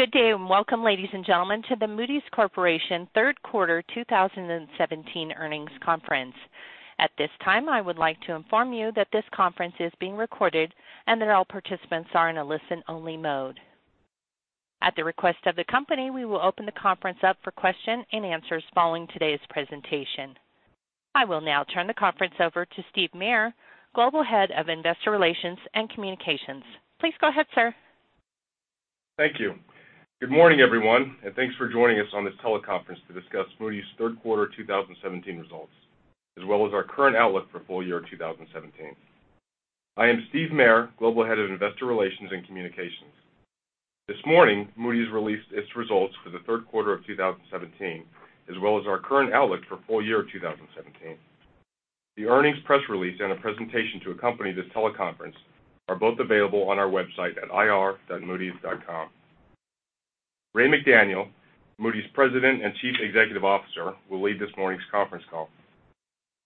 Good day and welcome, ladies and gentlemen, to the Moody's Corporation third quarter 2017 earnings conference. At this time, I would like to inform you that this conference is being recorded, and that all participants are in a listen-only mode. At the request of the company, we will open the conference up for question and answers following today's presentation. I will now turn the conference over to Salli Martinez, Global Head of Investor Relations and Communications. Please go ahead, sir. Thank you. Good morning, everyone. Thanks for joining us on this teleconference to discuss Moody's third quarter 2017 results, as well as our current outlook for full year 2017. I am Salli Martinez, Global Head of Investor Relations and Communications. This morning, Moody's released its results for the third quarter of 2017, as well as our current outlook for full year 2017. The earnings press release and a presentation to accompany this teleconference are both available on our website at ir.moodys.com. Raymond McDaniel, Moody's President and Chief Executive Officer, will lead this morning's conference call.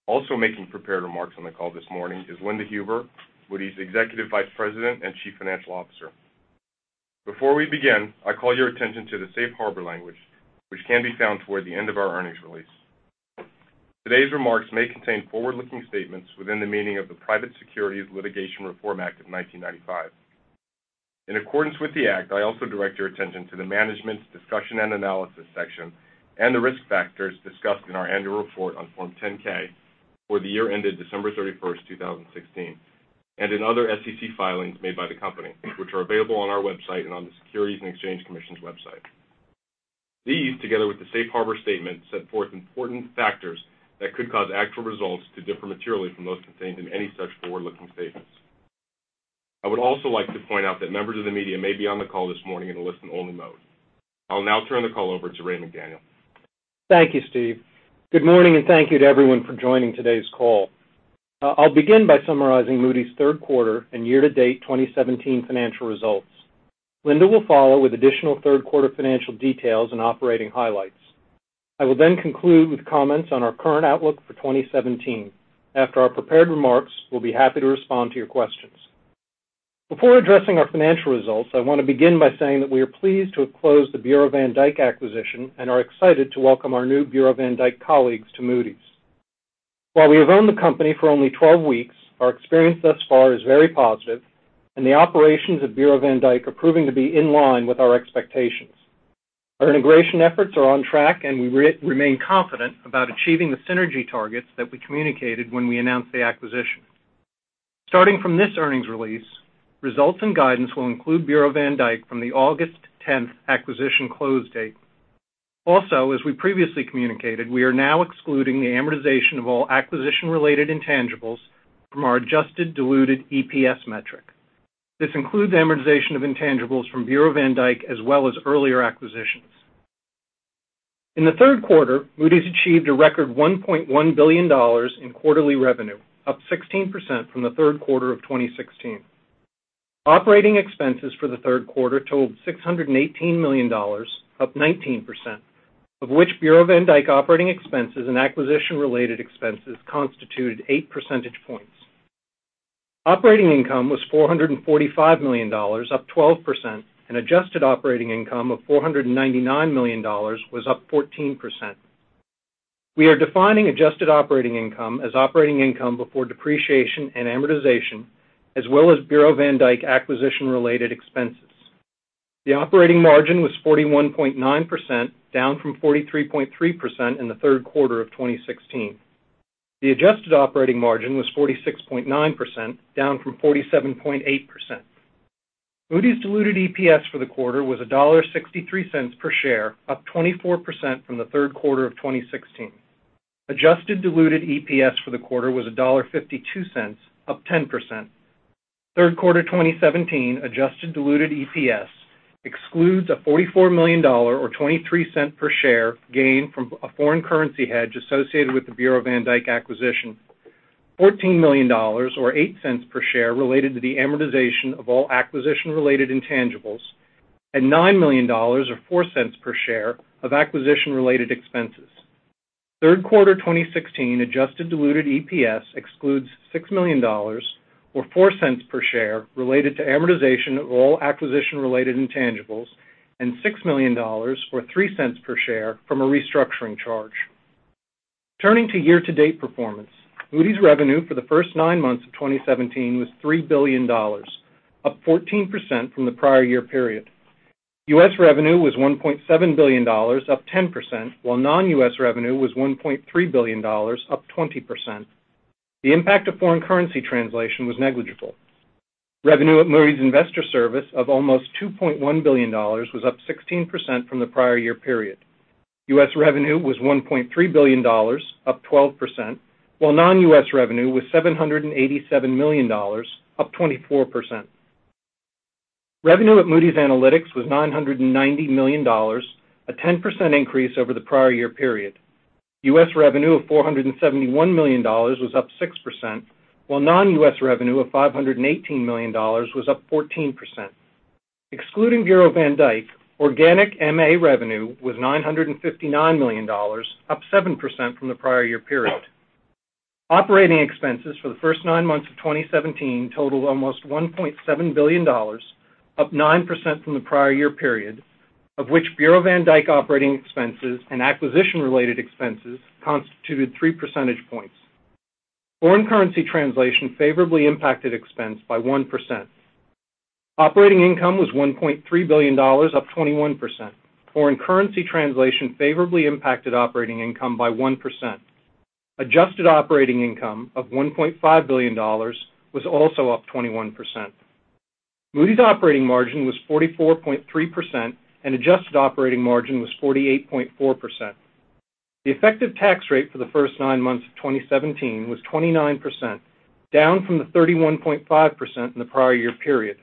Also making prepared remarks on the call this morning is Linda Huber, Moody's Executive Vice President and Chief Financial Officer. Before we begin, I call your attention to the safe harbor language, which can be found toward the end of our earnings release. Today's remarks may contain forward-looking statements within the meaning of the Private Securities Litigation Reform Act of 1995. In accordance with the act, I also direct your attention to the Management's Discussion and Analysis section and the risk factors discussed in our annual report on Form 10-K for the year ended December 31st, 2016, and in other SEC filings made by the company, which are available on our website and on the Securities and Exchange Commission's website. These, together with the safe harbor statement, set forth important factors that could cause actual results to differ materially from those contained in any such forward-looking statements. I would also like to point out that members of the media may be on the call this morning in a listen-only mode. I'll now turn the call over to Raymond McDaniel. Thank you, Steve. Good morning. Thank you to everyone for joining today's call. I'll begin by summarizing Moody's third quarter and year-to-date 2017 financial results. Linda will follow with additional third-quarter financial details and operating highlights. I will then conclude with comments on our current outlook for 2017. After our prepared remarks, we'll be happy to respond to your questions. Before addressing our financial results, I want to begin by saying that we are pleased to have closed the Bureau van Dijk acquisition and are excited to welcome our new Bureau van Dijk colleagues to Moody's. While we have owned the company for only 12 weeks, our experience thus far is very positive, and the operations of Bureau van Dijk are proving to be in line with our expectations. Our integration efforts are on track, and we remain confident about achieving the synergy targets that we communicated when we announced the acquisition. Starting from this earnings release, results and guidance will include Bureau van Dijk from the August 10th acquisition close date. Also, as we previously communicated, we are now excluding the amortization of all acquisition-related intangibles from our adjusted diluted EPS metric. This includes amortization of intangibles from Bureau van Dijk, as well as earlier acquisitions. In the third quarter, Moody's achieved a record $1.1 billion in quarterly revenue, up 16% from the third quarter of 2016. Operating expenses for the third quarter totaled $618 million, up 19%, of which Bureau van Dijk operating expenses and acquisition-related expenses constituted eight percentage points. Operating income was $445 million, up 12%, and adjusted operating income of $499 million was up 14%. We are defining adjusted operating income as operating income before depreciation and amortization, as well as Bureau van Dijk acquisition-related expenses. The operating margin was 41.9%, down from 43.3% in the third quarter of 2016. The adjusted operating margin was 46.9%, down from 47.8%. Moody's diluted EPS for the quarter was $1.63 per share, up 24% from the third quarter of 2016. Adjusted diluted EPS for the quarter was $1.52, up 10%. Third quarter 2017 adjusted diluted EPS excludes a $44 million, or $0.23 per share, gain from a foreign currency hedge associated with the Bureau van Dijk acquisition, $14 million or $0.08 per share related to the amortization of all acquisition-related intangibles, and $9 million or $0.04 per share of acquisition-related expenses. Third quarter 2016 adjusted diluted EPS excludes $6 million, or $0.04 per share, related to amortization of all acquisition-related intangibles, and $6 million, or $0.03 per share, from a restructuring charge. Turning to year-to-date performance, Moody's revenue for the first nine months of 2017 was $3 billion, up 14% from the prior year period. U.S. revenue was $1.7 billion, up 10%, while non-U.S. revenue was $1.3 billion, up 20%. The impact of foreign currency translation was negligible. Revenue at Moody's Investors Service of almost $2.1 billion was up 16% from the prior year period. U.S. revenue was $1.3 billion, up 12%, while non-U.S. revenue was $787 million, up 24%. Revenue at Moody's Analytics was $990 million, a 10% increase over the prior year period. U.S. revenue of $471 million was up 6%, while non-U.S. revenue of $518 million was up 14%. Excluding Bureau van Dijk, organic MA revenue was $959 million, up 7% from the prior year period. Operating expenses for the first nine months of 2017 totaled almost $1.7 billion, up 9% from the prior year period, of which Bureau van Dijk operating expenses and acquisition-related expenses constituted three percentage points. Foreign currency translation favorably impacted expense by 1%. Operating income was $1.3 billion, up 21%. Foreign currency translation favorably impacted operating income by 1%. Adjusted operating income of $1.5 billion was also up 21%. Moody's operating margin was 44.3%, and adjusted operating margin was 48.4%. The effective tax rate for the first nine months of 2017 was 29%, down from the 31.5% in the prior year period.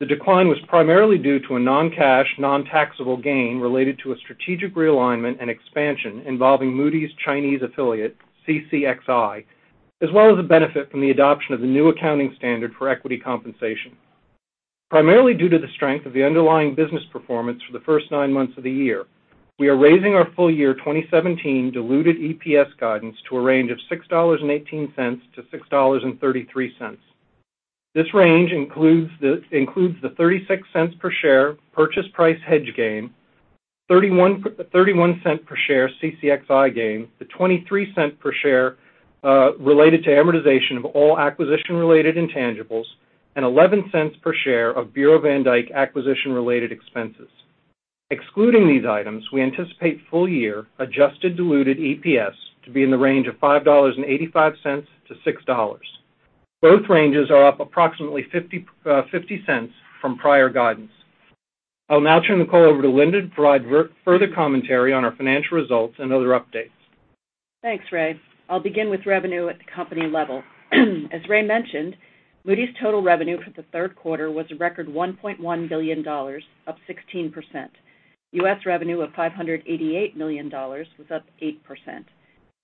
The decline was primarily due to a non-cash, non-taxable gain related to a strategic realignment and expansion involving Moody's Chinese affiliate, CCXI, as well as a benefit from the adoption of the new accounting standard for equity compensation. Primarily due to the strength of the underlying business performance for the first 9 months of the year, we are raising our full year 2017 diluted EPS guidance to a range of $6.18-$6.33. This range includes the $0.36 per share purchase price hedge gain, $0.31 per share CCXI gain, the $0.23 per share related to amortization of all acquisition-related intangibles, and $0.11 per share of Bureau van Dijk acquisition-related expenses. Excluding these items, we anticipate full year adjusted diluted EPS to be in the range of $5.85-$6. Both ranges are up approximately $0.50 from prior guidance. I'll now turn the call over to Linda to provide further commentary on our financial results and other updates. Thanks, Ray. I'll begin with revenue at the company level. As Ray mentioned, Moody's total revenue for the third quarter was a record $1.1 billion, up 16%. U.S. revenue of $588 million was up 8%.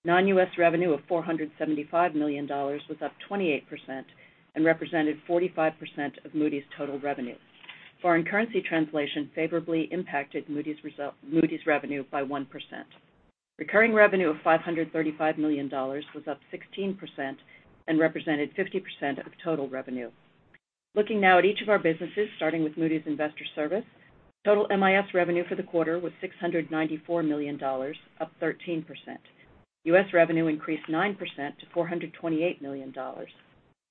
Non-U.S. revenue of $475 million was up 28% and represented 45% of Moody's total revenue. Foreign currency translation favorably impacted Moody's revenue by 1%. Recurring revenue of $535 million was up 16% and represented 50% of total revenue. Looking now at each of our businesses, starting with Moody's Investors Service, total MIS revenue for the quarter was $694 million, up 13%. U.S. revenue increased 9% to $428 million.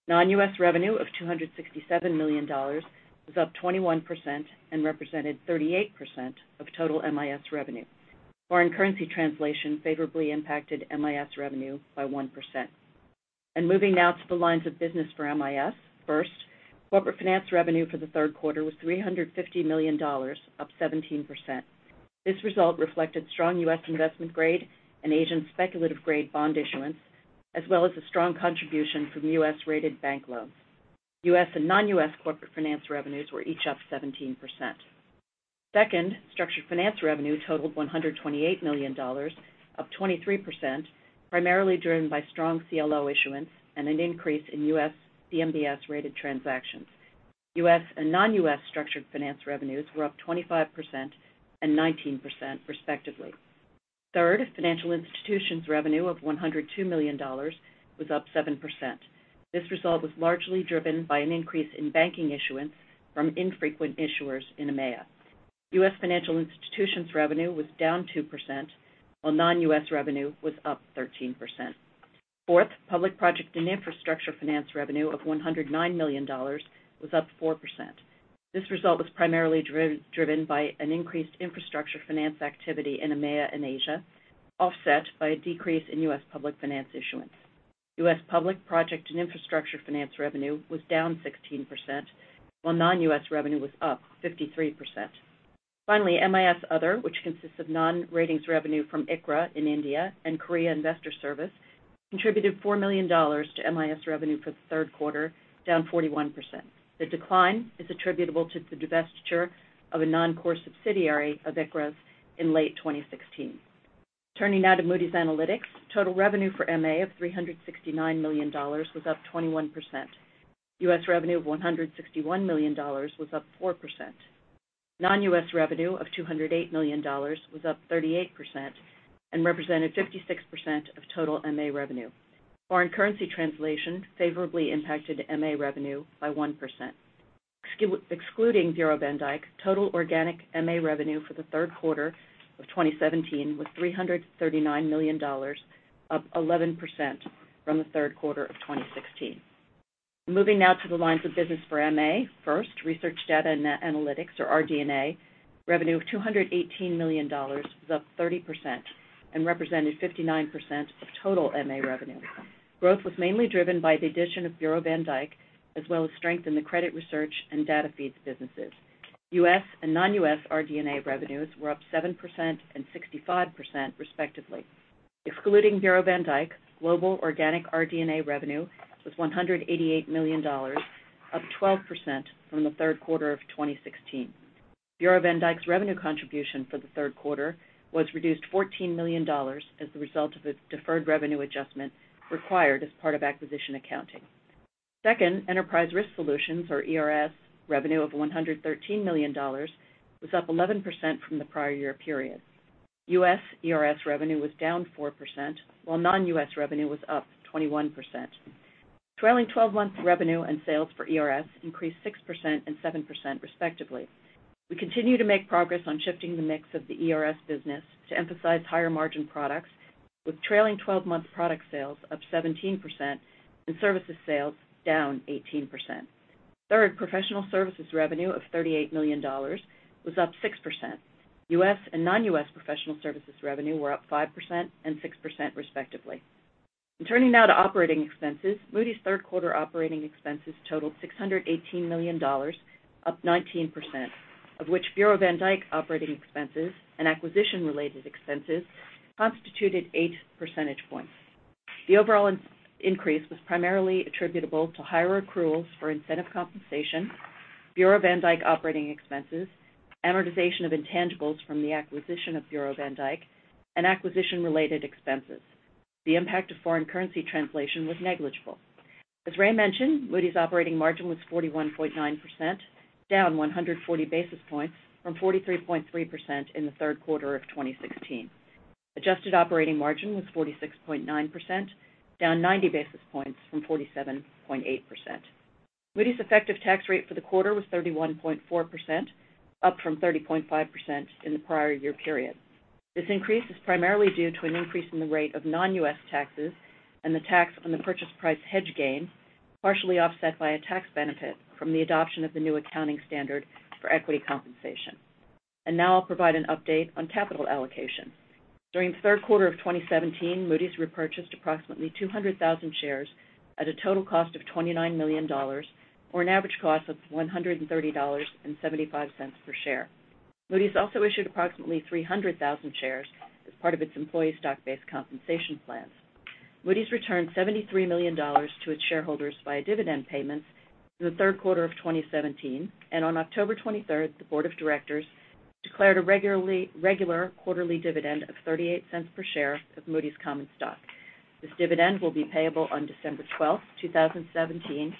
Non-U.S. revenue of $267 million was up 21% and represented 38% of total MIS revenue. Foreign currency translation favorably impacted MIS revenue by 1%. Moving now to the lines of business for MIS. First, corporate finance revenue for the third quarter was $350 million, up 17%. This result reflected strong U.S. investment-grade and Asian speculative-grade bond issuance, as well as a strong contribution from U.S.-rated bank loans. U.S. and non-U.S. corporate finance revenues were each up 17%. Second, structured finance revenue totaled $128 million, up 23%, primarily driven by strong CLO issuance and an increase in U.S. CMBS-rated transactions. U.S. and non-U.S. structured finance revenues were up 25% and 19% respectively. Third, financial institutions revenue of $102 million was up 7%. This result was largely driven by an increase in banking issuance from infrequent issuers in EMEA. U.S. financial institutions revenue was down 2%, while non-U.S. revenue was up 13%. Fourth, public project and infrastructure finance revenue of $109 million was up 4%. This result was primarily driven by an increased infrastructure finance activity in EMEA and Asia, offset by a decrease in U.S. public finance issuance. U.S. public project and infrastructure finance revenue was down 16%, while non-U.S. revenue was up 53%. Finally, MIS Other, which consists of non-ratings revenue from ICRA in India and Korea Investors Service, contributed $4 million to MIS revenue for the third quarter, down 41%. The decline is attributable to the divestiture of a non-core subsidiary of ICRA's in late 2016. Turning now to Moody's Analytics. Total revenue for MA of $369 million was up 21%. U.S. revenue of $161 million was up 4%. Non-U.S. revenue of $208 million was up 38% and represented 56% of total MA revenue. Foreign currency translation favorably impacted MA revenue by 1%. Excluding Bureau van Dijk, total organic MA revenue for the third quarter of 2017 was $339 million, up 11% from the third quarter of 2016. Moving now to the lines of business for MA. First, research data and analytics, or RD&A, revenue of $218 million was up 30% and represented 59% of total MA revenue. Growth was mainly driven by the addition of Bureau van Dijk as well as strength in the credit research and data feeds businesses. U.S. and non-U.S. RD&A revenues were up 7% and 65% respectively. Excluding Bureau van Dijk, global organic RD&A revenue was $188 million, up 12% from the third quarter of 2016. Bureau van Dijk's revenue contribution for the third quarter was reduced $14 million as the result of a deferred revenue adjustment required as part of acquisition accounting. Second, Enterprise Risk Solutions, or ERS, revenue of $113 million was up 11% from the prior year period. U.S. ERS revenue was down 4%, while non-U.S. revenue was up 21%. Trailing 12-month revenue and sales for ERS increased 6% and 7%, respectively. We continue to make progress on shifting the mix of the ERS business to emphasize higher margin products, with trailing 12-month product sales up 17% and services sales down 18%. Third, professional services revenue of $38 million was up 6%. U.S. and non-U.S. professional services revenue were up 5% and 6%, respectively. Turning now to operating expenses, Moody's third quarter operating expenses totaled $618 million, up 19%, of which Bureau van Dijk operating expenses and acquisition-related expenses constituted eight percentage points. The overall increase was primarily attributable to higher accruals for incentive compensation, Bureau van Dijk operating expenses, amortization of intangibles from the acquisition of Bureau van Dijk, and acquisition-related expenses. The impact of foreign currency translation was negligible. As Ray mentioned, Moody's operating margin was 41.9%, down 140 basis points from 43.3% in the third quarter of 2016. Adjusted operating margin was 46.9%, down 90 basis points from 47.8%. Moody's effective tax rate for the quarter was 31.4%, up from 30.5% in the prior year period. This increase is primarily due to an increase in the rate of non-U.S. taxes and the tax on the purchase price hedge gain, partially offset by a tax benefit from the adoption of the new accounting standard for equity compensation. Now I'll provide an update on capital allocation. During the third quarter of 2017, Moody's repurchased approximately 200,000 shares at a total cost of $29 million, or an average cost of $130.75 per share. Moody's also issued approximately 300,000 shares as part of its employee stock-based compensation plans. Moody's returned $73 million to its shareholders via dividend payments in the third quarter of 2017. On October 23rd, the board of directors declared a regular quarterly dividend of $0.38 per share of Moody's common stock. This dividend will be payable on December 12th, 2017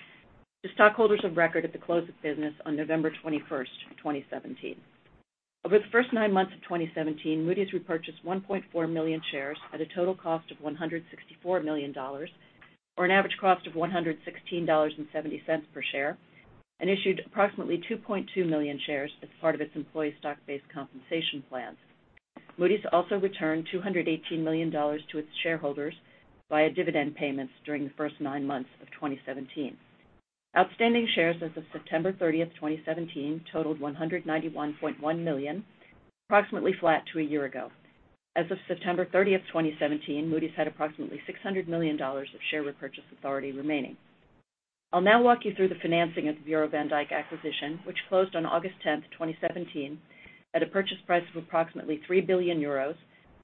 to stockholders of record at the close of business on November 21st, 2017. Over the first nine months of 2017, Moody's repurchased 1.4 million shares at a total cost of $164 million, or an average cost of $116.70 per share, and issued approximately 2.2 million shares as part of its employee stock-based compensation plans. Moody's also returned $218 million to its shareholders via dividend payments during the first nine months of 2017. Outstanding shares as of September 30th, 2017 totaled 191.1 million, approximately flat to a year ago. As of September 30th, 2017, Moody's had approximately $600 million of share repurchase authority remaining. I'll now walk you through the financing of the Bureau van Dijk acquisition, which closed on August 10th, 2017, at a purchase price of approximately 3 billion euros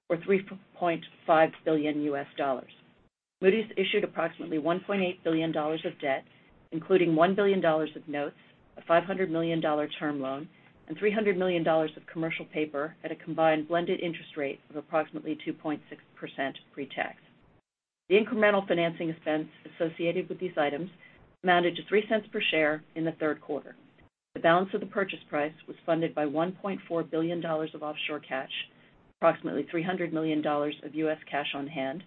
or $3.5 billion. Moody's issued approximately $1.8 billion of debt, including $1 billion of notes, a $500 million term loan, and $300 million of commercial paper at a combined blended interest rate of approximately 2.6% pre-tax. The incremental financing expense associated with these items amounted to $0.03 per share in the third quarter. The balance of the purchase price was funded by $1.4 billion of offshore cash, approximately $300 million of U.S. cash on hand,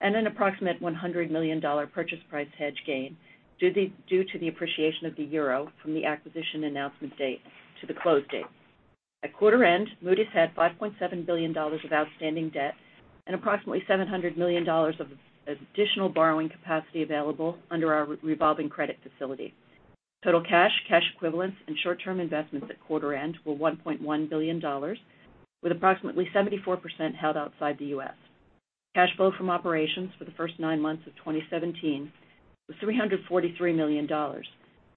and an approximate $100 million purchase price hedge gain due to the appreciation of the euro from the acquisition announcement date to the close date. At quarter end, Moody's had $5.7 billion of outstanding debt and approximately $700 million of additional borrowing capacity available under our revolving credit facility. Total cash equivalents, and short-term investments at quarter end were $1.1 billion, with approximately 74% held outside the U.S. Cash flow from operations for the first nine months of 2017 was $343 million,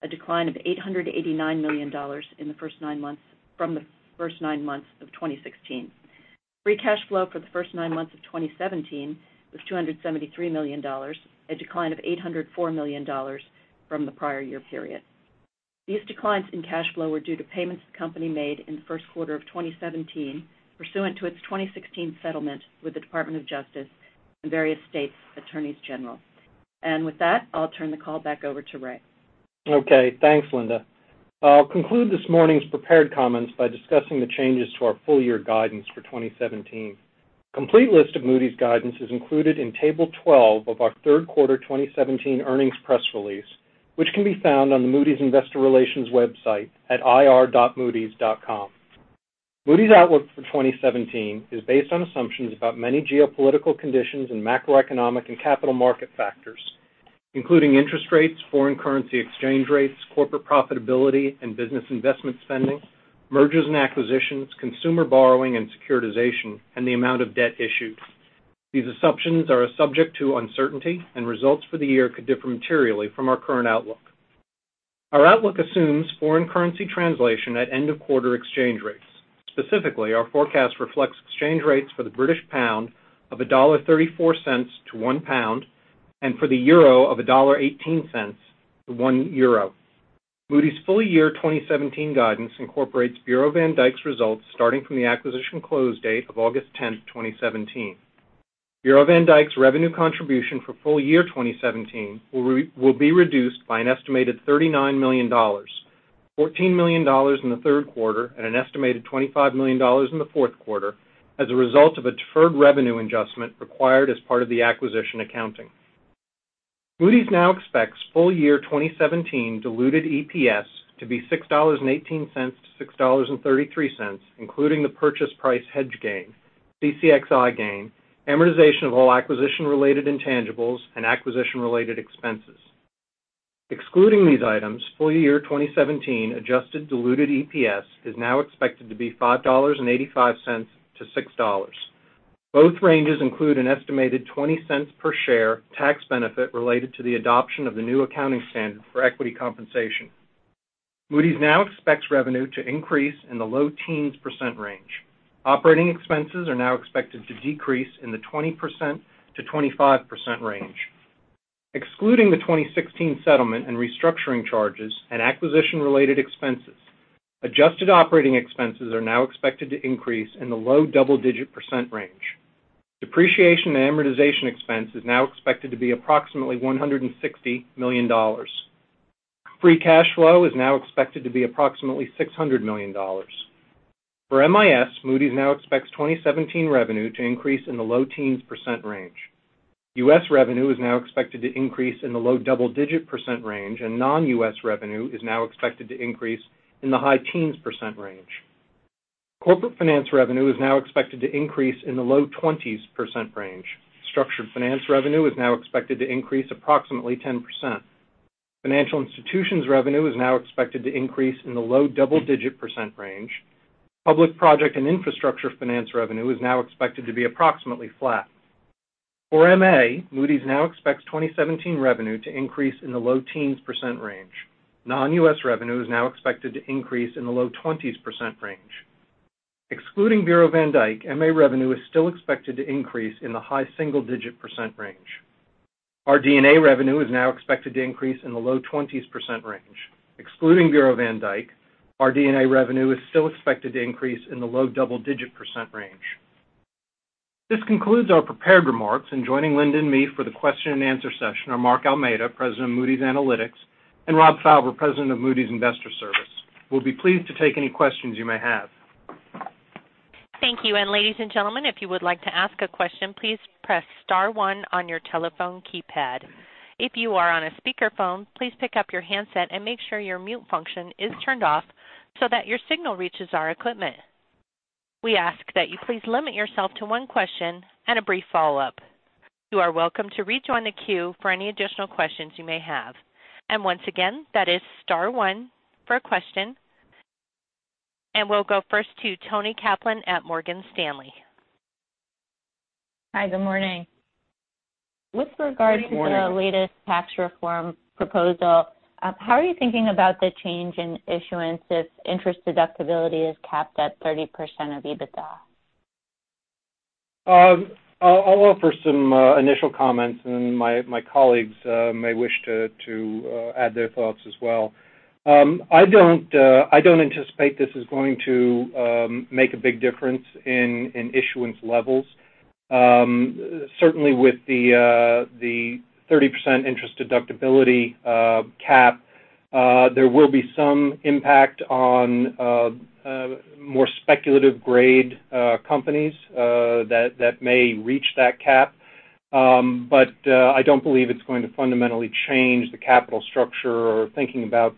a decline of $889 million from the first nine months of 2016. Free cash flow for the first nine months of 2017 was $273 million, a decline of $804 million from the prior year period. These declines in cash flow were due to payments the company made in the first quarter of 2017 pursuant to its 2016 settlement with the Department of Justice and various states' attorneys general. With that, I'll turn the call back over to Ray. Okay, thanks, Linda. I'll conclude this morning's prepared comments by discussing the changes to our full year guidance for 2017. A complete list of Moody's guidance is included in Table 12 of our third quarter 2017 earnings press release, which can be found on the Moody's Investor Relations website at ir.moodys.com. Moody's outlook for 2017 is based on assumptions about many geopolitical conditions and macroeconomic and capital market factors, including interest rates, foreign currency exchange rates, corporate profitability and business investment spending, mergers and acquisitions, consumer borrowing and securitization, and the amount of debt issued. These assumptions are subject to uncertainty. Results for the year could differ materially from our current outlook. Our outlook assumes foreign currency translation at end-of-quarter exchange rates. Specifically, our forecast reflects exchange rates for the British pound of $1.34 to 1 pound, and for the euro of $1.18 to 1 euro. Moody's full year 2017 guidance incorporates Bureau van Dijk's results starting from the acquisition close date of August 10th, 2017. Bureau van Dijk's revenue contribution for full year 2017 will be reduced by an estimated $39 million, $14 million in the third quarter, and an estimated $25 million in the fourth quarter as a result of a deferred revenue adjustment required as part of the acquisition accounting. Moody's now expects full year 2017 diluted EPS to be $6.18-$6.33, including the purchase price hedge gain, CCXI gain, amortization of all acquisition-related intangibles, and acquisition-related expenses. Excluding these items, full year 2017 adjusted diluted EPS is now expected to be $5.85-$6. Both ranges include an estimated $0.20 per share tax benefit related to the adoption of the new accounting standard for equity compensation. Moody's now expects revenue to increase in the low teens % range. Operating expenses are now expected to decrease in the 20%-25% range. Excluding the 2016 settlement and restructuring charges and acquisition-related expenses, adjusted operating expenses are now expected to increase in the low double-digit % range. Depreciation and amortization expense is now expected to be approximately $160 million. Free cash flow is now expected to be approximately $600 million. For MIS, Moody's now expects 2017 revenue to increase in the low teens % range. U.S. revenue is now expected to increase in the low double-digit % range, and non-U.S. revenue is now expected to increase in the high teens % range. Corporate finance revenue is now expected to increase in the low 20s % range. Structured finance revenue is now expected to increase approximately 10%. Financial institutions revenue is now expected to increase in the low double-digit % range. Public project and infrastructure finance revenue is now expected to be approximately flat. For MA, Moody's now expects 2017 revenue to increase in the low teens % range. Non-U.S. revenue is now expected to increase in the low 20s % range. Excluding Bureau van Dijk, MA revenue is still expected to increase in the high single-digit % range. RD&A revenue is now expected to increase in the low 20s % range. Excluding Bureau van Dijk, RD&A revenue is still expected to increase in the low double-digit % range. This concludes our prepared remarks, and joining Linda and me for the question and answer session are Mark Almeida, President of Moody's Analytics, and Rob Fauber, President of Moody's Investors Service. We'll be pleased to take any questions you may have. Thank you. Ladies and gentlemen, if you would like to ask a question, please press *1 on your telephone keypad. If you are on a speakerphone, please pick up your handset and make sure your mute function is turned off so that your signal reaches our equipment. We ask that you please limit yourself to one question and a brief follow-up. You are welcome to rejoin the queue for any additional questions you may have. Once again, that is *1 for a question. We'll go first to Toni Kaplan at Morgan Stanley. Hi, good morning. Good morning. With regard to the latest tax reform proposal, how are you thinking about the change in issuance if interest deductibility is capped at 30% of EBITDA? I'll offer some initial comments, and my colleagues may wish to add their thoughts as well. I don't anticipate this is going to make a big difference in issuance levels. Certainly with the 30% interest deductibility cap, there will be some impact on more speculative grade companies that may reach that cap. I don't believe it's going to fundamentally change the capital structure or thinking about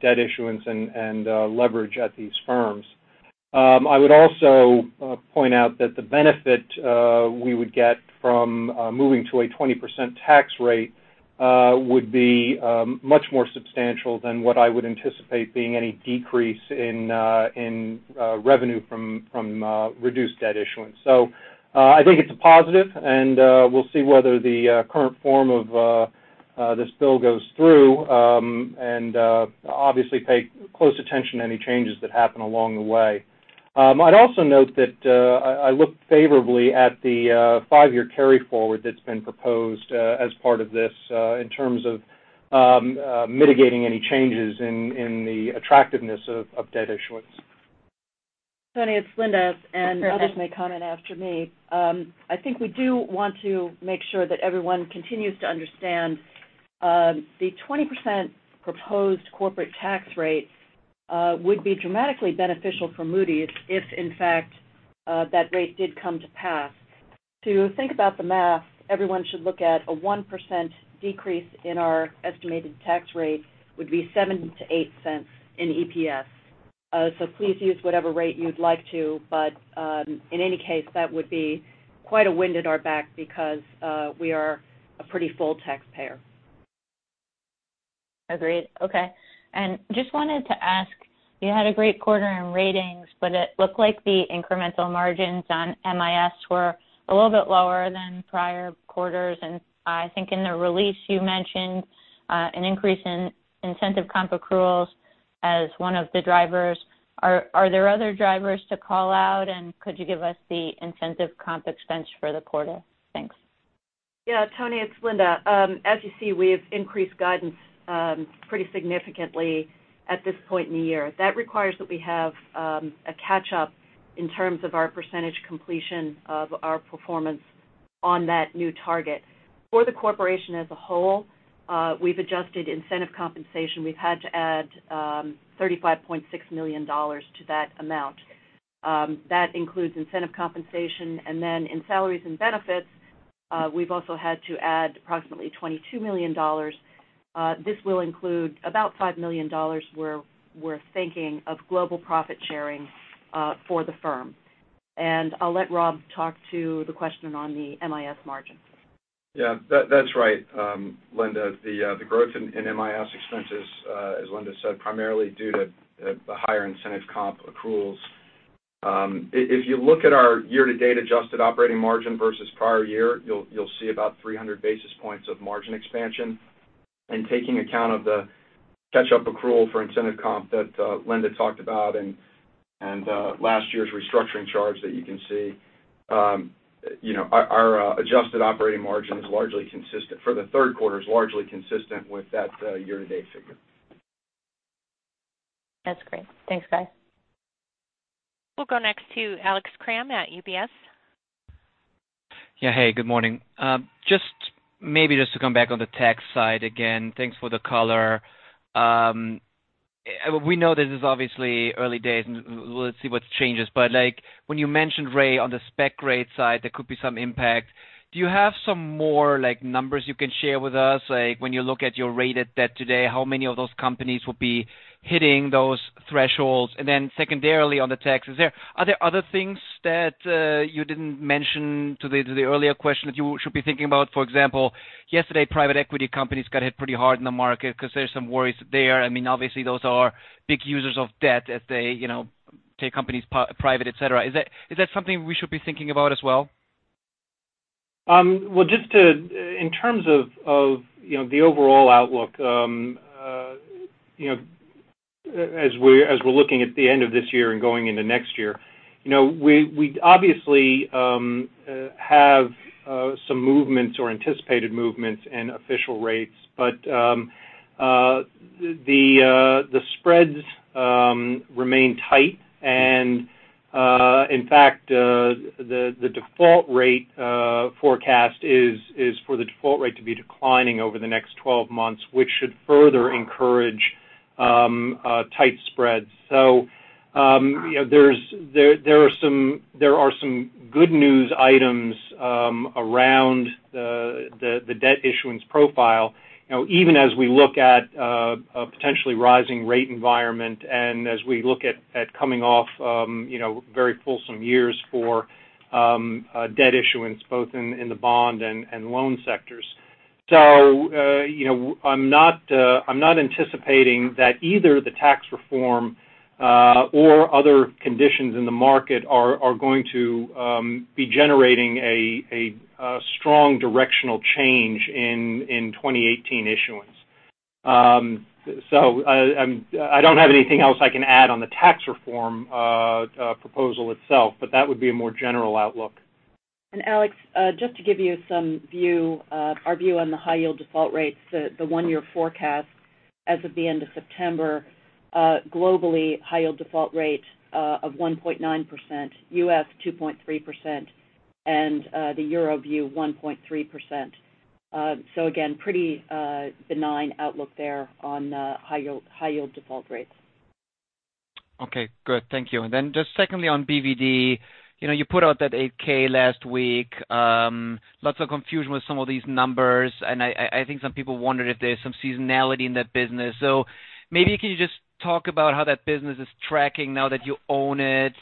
debt issuance and leverage at these firms. I would also point out that the benefit we would get from moving to a 20% tax rate would be much more substantial than what I would anticipate being any decrease in revenue from reduced debt issuance. I think it's a positive, and we'll see whether the current form of this bill goes through, and obviously pay close attention to any changes that happen along the way. I'd also note that I look favorably at the five-year carry forward that's been proposed as part of this in terms of mitigating any changes in the attractiveness of debt issuance. Toni, it's Linda. Go for it. Others may comment after me. I think we do want to make sure that everyone continues to understand the 20% proposed corporate tax rate would be dramatically beneficial for Moody's if, in fact, that rate did come to pass. To think about the math, everyone should look at a 1% decrease in our estimated tax rate would be $0.07-$0.08 in EPS. Please use whatever rate you'd like to, but in any case, that would be quite a wind at our back because we are a pretty full taxpayer. Agreed. Okay. Just wanted to ask, you had a great quarter in ratings, but it looked like the incremental margins on MIS were a little bit lower than prior quarters. I think in the release you mentioned an increase in incentive comp accruals as one of the drivers. Are there other drivers to call out, and could you give us the incentive comp expense for the quarter? Thanks. Yeah, Toni, it's Linda. As you see, we have increased guidance pretty significantly at this point in the year. That requires that we have a catch-up in terms of our percentage completion of our performance on that new target. For the corporation as a whole, we've adjusted incentive compensation. We've had to add $35.6 million to that amount. That includes incentive compensation. Then in salaries and benefits, we've also had to add approximately $22 million. This will include about $5 million we're thinking of global profit-sharing for the firm. I'll let Rob talk to the question on the MIS margin. Yeah. That's right. Linda, the growth in MIS expenses, as Linda said, primarily due to the higher incentive comp accruals. If you look at our year-to-date adjusted operating margin versus prior year, you'll see about 300 basis points of margin expansion. Taking account of the catch-up accrual for incentive comp that Linda talked about and last year's restructuring charge that you can see, our adjusted operating margin for the third quarter is largely consistent with that year-to-date figure. That's great. Thanks, guys. We'll go next to Alex Kramm at UBS. Yeah. Hey, good morning. Maybe just to come back on the tax side again. Thanks for the color. We know this is obviously early days, and let's see what changes. When you mentioned, Ray, on the spec rate side, there could be some impact. Do you have some more numbers you can share with us? When you look at your rated debt today, how many of those companies will be hitting those thresholds? Secondarily on the tax, are there other things that you didn't mention to the earlier question that you should be thinking about? For example, yesterday private equity companies got hit pretty hard in the market because there's some worries there. Obviously, those are big users of debt as they take companies private, et cetera. Is that something we should be thinking about as well? Well, in terms of the overall outlook as we're looking at the end of this year and going into next year. We obviously have some movements or anticipated movements in official rates. The spreads remain tight. In fact, the default rate forecast is for the default rate to be declining over the next 12 months, which should further encourage tight spreads. There are some good news items around the debt issuance profile. Even as we look at a potentially rising rate environment, and as we look at coming off very fulsome years for debt issuance, both in the bond and loan sectors. I'm not anticipating that either the tax reform or other conditions in the market are going to be generating a strong directional change in 2018 issuance. I don't have anything else I can add on the tax reform proposal itself, that would be a more general outlook. Alex, just to give you our view on the high yield default rates, the one-year forecast as of the end of September. Globally, high yield default rate of 1.9%, U.S. 2.3%, and the Euro view 1.3%. Again, pretty benign outlook there on high yield default rates. Okay, good. Thank you. Then just secondly on BvD. You put out that 8-K last week. Lots of confusion with some of these numbers, and I think some people wondered if there's some seasonality in that business. Maybe can you just talk about how that business is tracking now that you own it?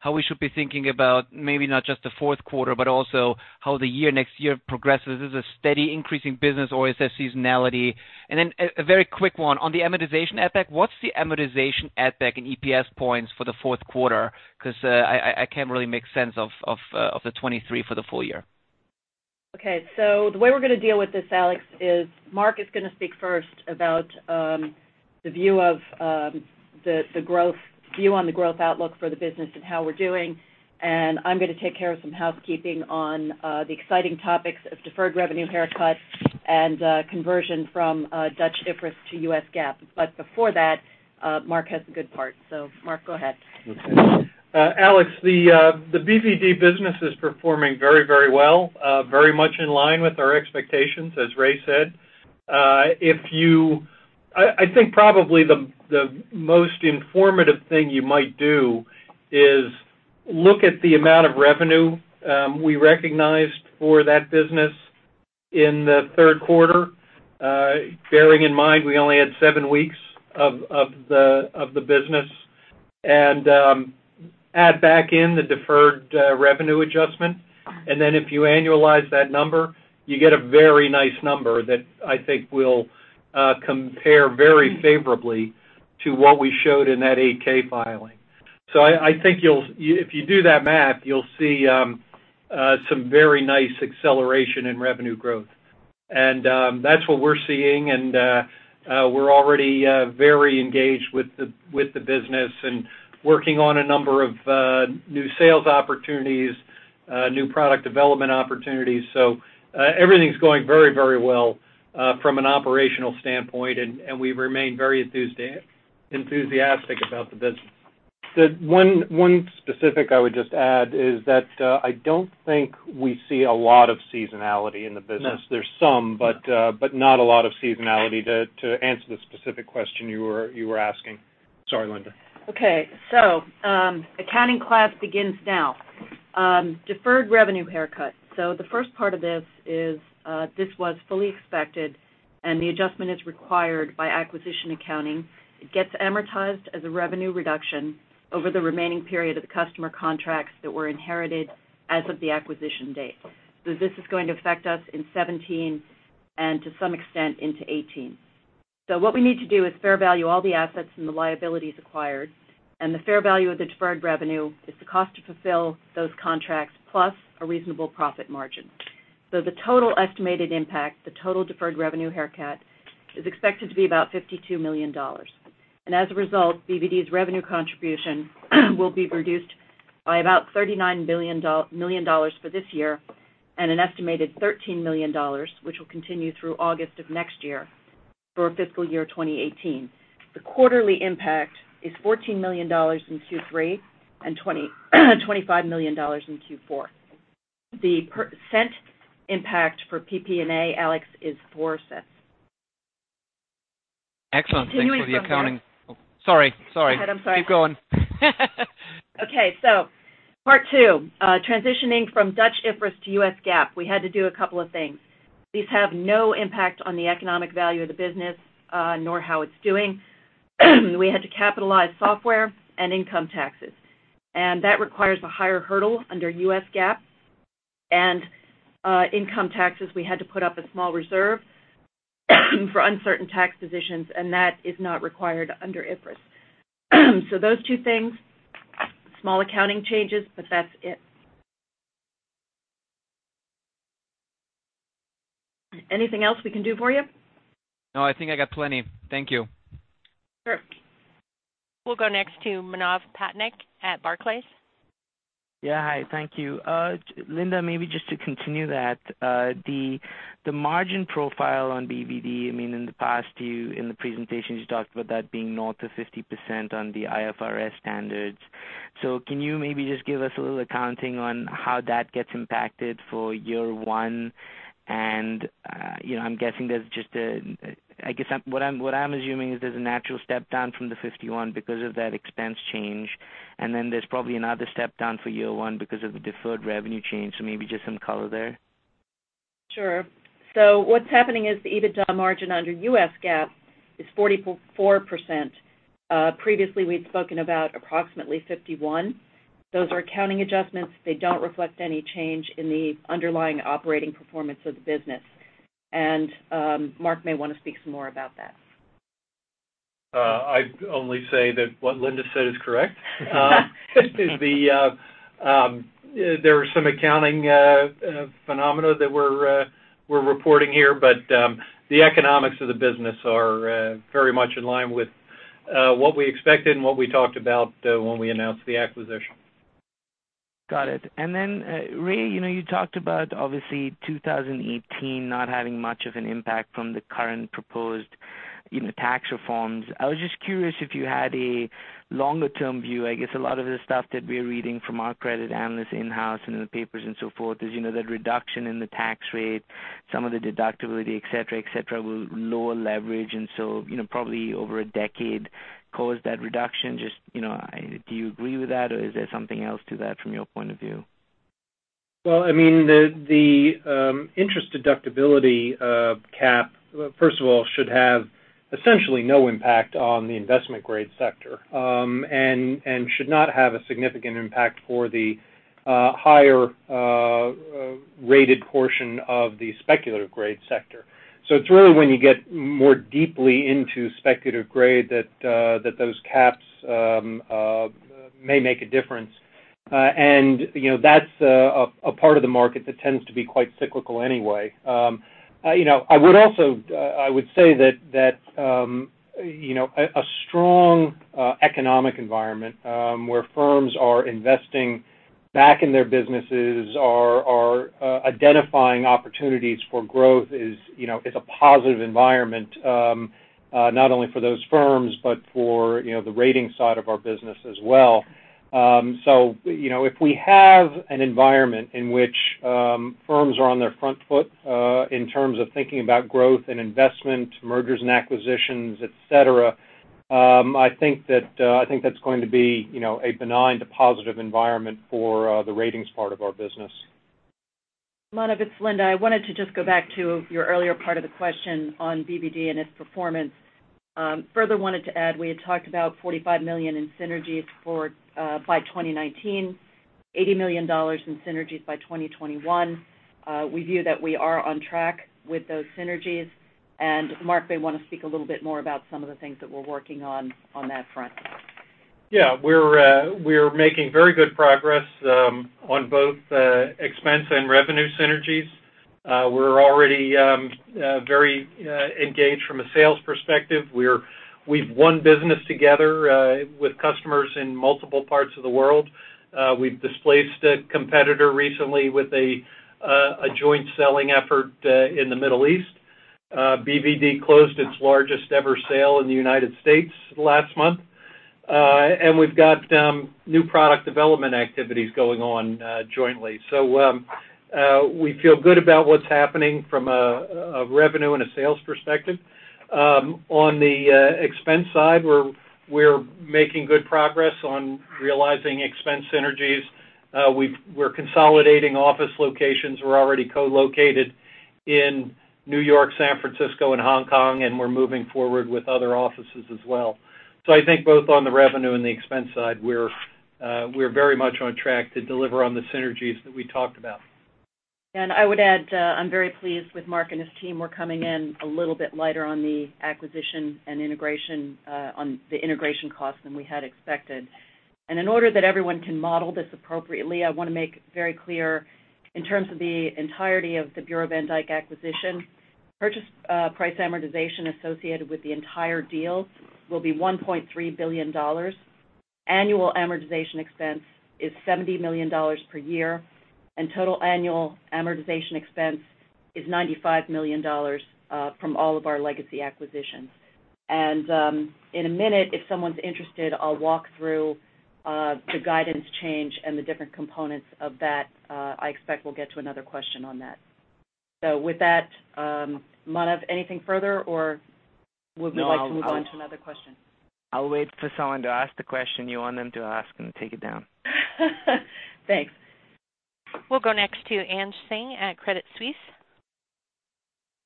How we should be thinking about maybe not just the fourth quarter, but also how the year next year progresses. Is this a steady increasing business or is there seasonality? Then a very quick one on the amortization add back. What's the amortization add back in EPS points for the fourth quarter? Because I can't really make sense of the 23 for the full year. Okay. The way we're going to deal with this, Alex, is Mark is going to speak first about the view on the growth outlook for the business and how we're doing. I'm going to take care of some housekeeping on the exciting topics of deferred revenue haircut and conversion from Dutch IFRS to U.S. GAAP. Before that, Mark has the good part. Mark, go ahead. Okay. Alex, the BvD business is performing very well. Very much in line with our expectations, as Ray said. I think probably the most informative thing you might do is look at the amount of revenue we recognized for that business in the third quarter. Bearing in mind we only had seven weeks of the business. Add back in the deferred revenue adjustment. Then if you annualize that number, you get a very nice number that I think will compare very favorably to what we showed in that 8-K filing. I think if you do that math, you'll see some very nice acceleration in revenue growth That's what we're seeing, we're already very engaged with the business and working on a number of new sales opportunities, new product development opportunities. Everything's going very well from an operational standpoint, and we remain very enthusiastic about the business. The one specific I would just add is that I don't think we see a lot of seasonality in the business. No. There's some, but not a lot of seasonality, to answer the specific question you were asking. Sorry, Linda. Accounting class begins now. Deferred revenue haircut. The first part of this is, this was fully expected, and the adjustment is required by acquisition accounting. It gets amortized as a revenue reduction over the remaining period of the customer contracts that were inherited as of the acquisition date. This is going to affect us in 2017 and to some extent into 2018. What we need to do is fair value all the assets and the liabilities acquired, and the fair value of the deferred revenue is the cost to fulfill those contracts plus a reasonable profit margin. The total estimated impact, the total deferred revenue haircut, is expected to be about $52 million. As a result, BvD's revenue contribution will be reduced by about $39 million for this year and an estimated $13 million, which will continue through August of next year for fiscal year 2018. The quarterly impact is $14 million in Q3 and $25 million in Q4. The percent impact for PP&A, Alex, is $0.04. Excellent. Thanks for the accounting. Continuing from there. Sorry. Go ahead. I'm sorry. Keep going. Okay, part two, transitioning from Dutch IFRS to US GAAP. We had to do a couple of things. These have no impact on the economic value of the business, nor how it's doing. We had to capitalize software and income taxes, and that requires a higher hurdle under US GAAP. Income taxes, we had to put up a small reserve for uncertain tax positions, and that is not required under IFRS. Those two things, small accounting changes, but that's it. Anything else we can do for you? No, I think I got plenty. Thank you. Sure. We'll go next to Manav Patnaik at Barclays. Yeah. Hi. Thank you. Linda, maybe just to continue that, the margin profile on BvD, in the past, in the presentation, you talked about that being north of 50% on the IFRS standards. Can you maybe just give us a little accounting on how that gets impacted for year one and I'm guessing there's just a natural step down from the 51 because of that expense change, then there's probably another step down for year one because of the deferred revenue change. Maybe just some color there. Sure. What's happening is the EBITDA margin under US GAAP is 44%. Previously, we'd spoken about approximately 51. Those are accounting adjustments. They don't reflect any change in the underlying operating performance of the business. Mark may want to speak some more about that. I'd only say that what Linda said is correct. There are some accounting phenomena that we're reporting here, the economics of the business are very much in line with what we expected and what we talked about when we announced the acquisition. Got it. Ray, you talked about obviously 2018 not having much of an impact from the current proposed tax reforms. I was just curious if you had a longer-term view. I guess a lot of the stuff that we're reading from our credit analysts in-house and in the papers and so forth is that reduction in the tax rate, some of the deductibility, et cetera, will lower leverage, probably over a decade cause that reduction. Just do you agree with that, or is there something else to that from your point of view? Well, the interest deductibility cap, first of all, should have essentially no impact on the investment-grade sector, and should not have a significant impact for the higher-rated portion of the speculative grade sector. It's really when you get more deeply into speculative grade that those caps may make a difference. That's a part of the market that tends to be quite cyclical anyway. I would say that a strong economic environment where firms are investing back in their businesses, are identifying opportunities for growth is a positive environment, not only for those firms but for the ratings side of our business as well. If we have an environment in which firms are on their front foot in terms of thinking about growth and investment, mergers and acquisitions, et cetera, I think that's going to be a benign to positive environment for the ratings part of our business. Manav, it's Linda. I wanted to just go back to your earlier part of the question on BvD and its performance. Further wanted to add, we had talked about $45 million in synergies by 2019, $80 million in synergies by 2021. We view that we are on track with those synergies, and Mark may want to speak a little bit more about some of the things that we're working on that front. Yeah, we're making very good progress on both expense and revenue synergies. We're already very engaged from a sales perspective. We've won business together with customers in multiple parts of the world. We've displaced a competitor recently with a joint selling effort in the Middle East. BvD closed its largest ever sale in the United States last month. We've got new product development activities going on jointly. We feel good about what's happening from a revenue and a sales perspective. On the expense side, we're making good progress on realizing expense synergies. We're consolidating office locations. We're already co-located in New York, San Francisco, and Hong Kong, and we're moving forward with other offices as well. I think both on the revenue and the expense side, we're very much on track to deliver on the synergies that we talked about. I would add, I'm very pleased with Mark and his team. We're coming in a little bit lighter on the acquisition and integration on the integration cost than we had expected. In order that everyone can model this appropriately, I want to make very clear in terms of the entirety of the Bureau van Dijk acquisition, purchase price amortization associated with the entire deal will be $1.3 billion. Annual amortization expense is $70 million per year, and total annual amortization expense is $95 million from all of our legacy acquisitions. In a minute, if someone's interested, I'll walk through the guidance change and the different components of that. I expect we'll get to another question on that. With that, Manav, anything further or would we like to move on to another question? I'll wait for someone to ask the question you want them to ask and take it down. Thanks. We'll go next to Anj Singh at Credit Suisse.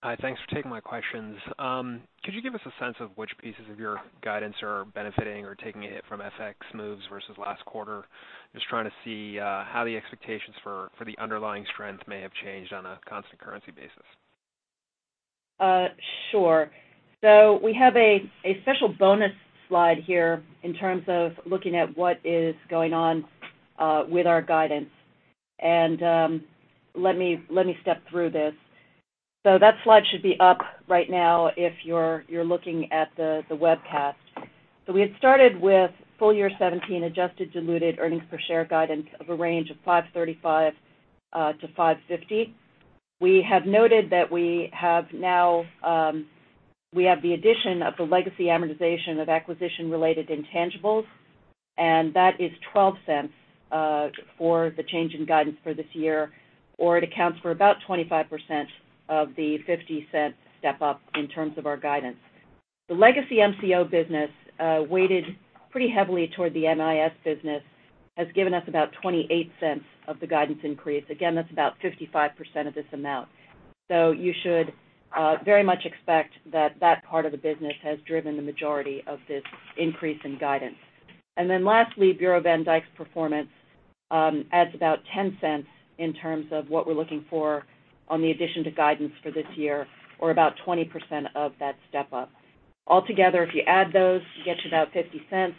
Hi. Thanks for taking my questions. Could you give us a sense of which pieces of your guidance are benefiting or taking a hit from FX moves versus last quarter? Just trying to see how the expectations for the underlying trends may have changed on a constant currency basis. Sure. We have a special bonus slide here in terms of looking at what is going on with our guidance. Let me step through this. That slide should be up right now if you're looking at the webcast. We had started with full year 2017 adjusted diluted earnings per share guidance of a range of $5.35-$5.50. We have noted that we have the addition of the legacy amortization of acquisition-related intangibles, and that is $0.12 for the change in guidance for this year, or it accounts for about 25% of the $0.50 step-up in terms of our guidance. The legacy MCO business, weighted pretty heavily toward the MIS business, has given us about $0.28 of the guidance increase. Again, that's about 55% of this amount. You should very much expect that that part of the business has driven the majority of this increase in guidance. Lastly, Bureau van Dijk's performance adds about $0.10 in terms of what we're looking for on the addition to guidance for this year, or about 20% of that step-up. Altogether, if you add those, you get to about $0.50.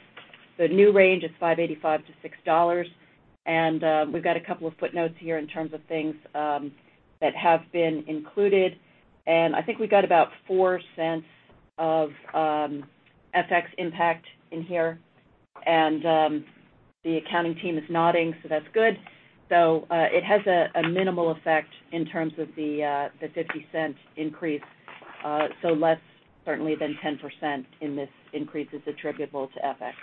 The new range is $5.85 to $6. We've got a couple of footnotes here in terms of things that have been included. I think we got about $0.04 of FX impact in here. The accounting team is nodding, so that's good. It has a minimal effect in terms of the $0.50 increase. Less certainly than 10% in this increase is attributable to FX.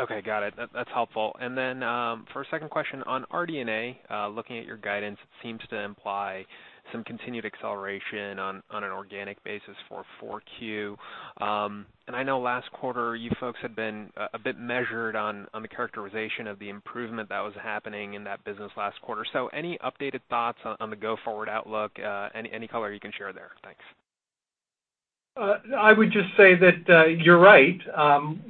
Okay, got it. That's helpful. For a second question on RD&A, looking at your guidance, it seems to imply some continued acceleration on an organic basis for 4Q. I know last quarter you folks had been a bit measured on the characterization of the improvement that was happening in that business last quarter. Any updated thoughts on the go-forward outlook? Any color you can share there? Thanks. I would just say that you're right.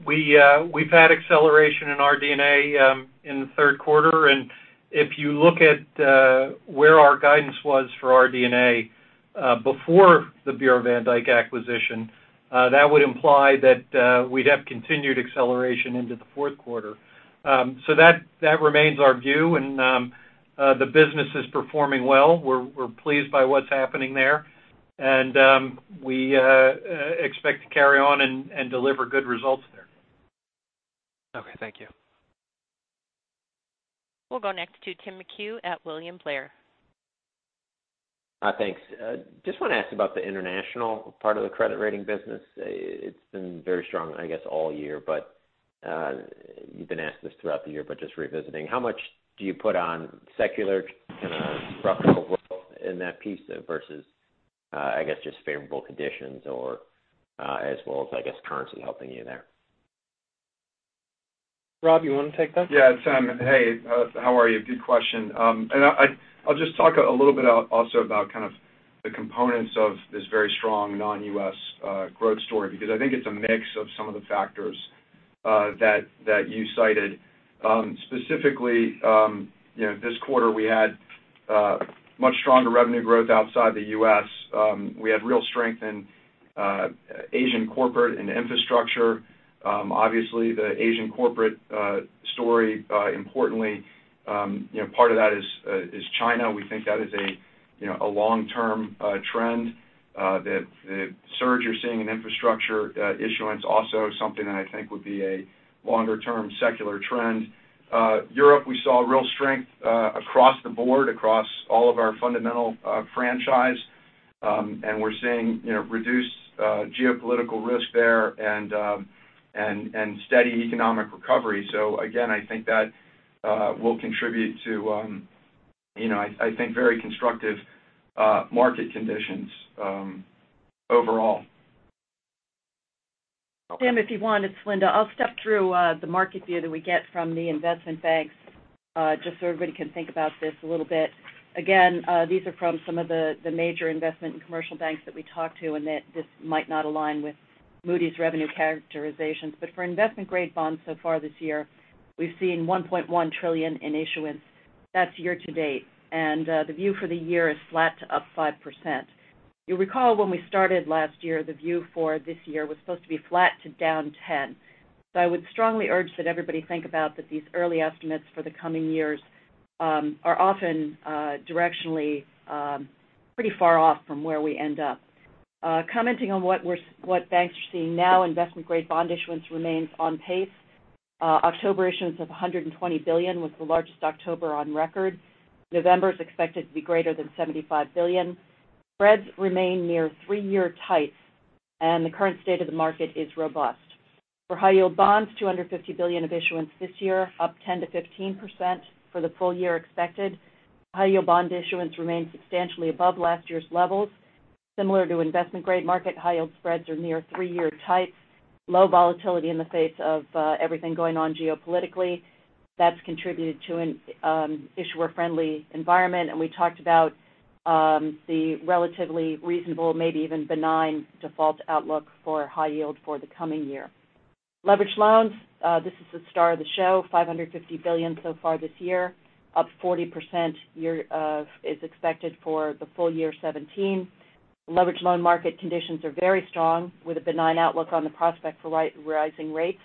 We've had acceleration in RD&A in the third quarter, and if you look at where our guidance was for RD&A before the Bureau van Dijk acquisition, that would imply that we'd have continued acceleration into the fourth quarter. That remains our view, and the business is performing well. We're pleased by what's happening there. We expect to carry on and deliver good results there. Okay, thank you. We'll go next to Tim McHugh at William Blair. Thanks. Just want to ask about the international part of the credit rating business. It's been very strong, I guess, all year. You've been asked this throughout the year, but just revisiting, how much do you put on secular kind of structural growth in that piece versus, I guess, just favorable conditions or as well as, I guess, currency helping you there? Rob, you want to take that? Yeah, Tim. Hey, how are you? Good question. I'll just talk a little bit also about kind of the components of this very strong non-U.S. growth story because I think it's a mix of some of the factors that you cited. Specifically this quarter we had much stronger revenue growth outside the U.S. We had real strength in Asian corporate and infrastructure. Obviously, the Asian corporate story, importantly, part of that is China. We think that is a long-term trend. The surge you're seeing in infrastructure issuance also something that I think would be a longer-term secular trend. Tim, if you want, it's Linda, I'll step through the market view that we get from the investment banks, just so everybody can think about this a little bit. Again, these are from some of the major investment and commercial banks that we talk to, this might not align with Moody's revenue characterizations. For investment-grade bonds so far this year, we've seen $1.1 trillion in issuance. That's year to date. The view for the year is flat to up 5%. You'll recall when we started last year, the view for this year was supposed to be flat to down 10%. I would strongly urge that everybody think about that these early estimates for the coming years are often directionally pretty far off from where we end up. Commenting on what banks are seeing now, investment-grade bond issuance remains on pace. October issuance of $120 billion was the largest October on record. November is expected to be greater than $75 billion. Spreads remain near 3-year tights, and the current state of the market is robust. For high-yield bonds, $250 billion of issuance this year, up 10%-15% for the full year expected. High-yield bond issuance remains substantially above last year's levels. Similar to investment-grade market, high-yield spreads are near 3-year tights. Low volatility in the face of everything going on geopolitically. That's contributed to an issuer-friendly environment. We talked about the relatively reasonable, maybe even benign default outlook for high yield for the coming year. Leveraged loans. This is the star of the show. $550 billion so far this year, up 40% is expected for the full year 2017. Leveraged loan market conditions are very strong, with a benign outlook on the prospect for rising rates.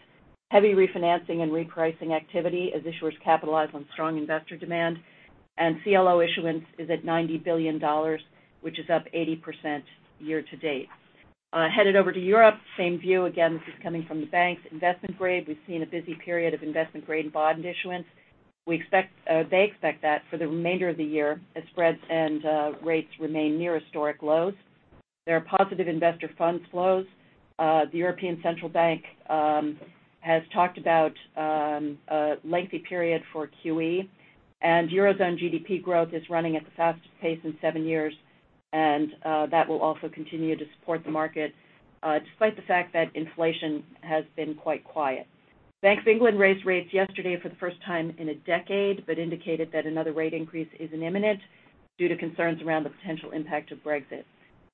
Heavy refinancing and repricing activity as issuers capitalize on strong investor demand. CLO issuance is at $90 billion, which is up 80% year to date. Headed over to Europe, same view. Again, this is coming from the banks. Investment grade, we've seen a busy period of investment-grade bond issuance. They expect that for the remainder of the year as spreads and rates remain near historic lows. There are positive investor fund flows. The European Central Bank has talked about a lengthy period for QE, and Eurozone GDP growth is running at the fastest pace in seven years, and that will also continue to support the market despite the fact that inflation has been quite quiet. Bank of England raised rates yesterday for the first time in a decade but indicated that another rate increase isn't imminent due to concerns around the potential impact of Brexit.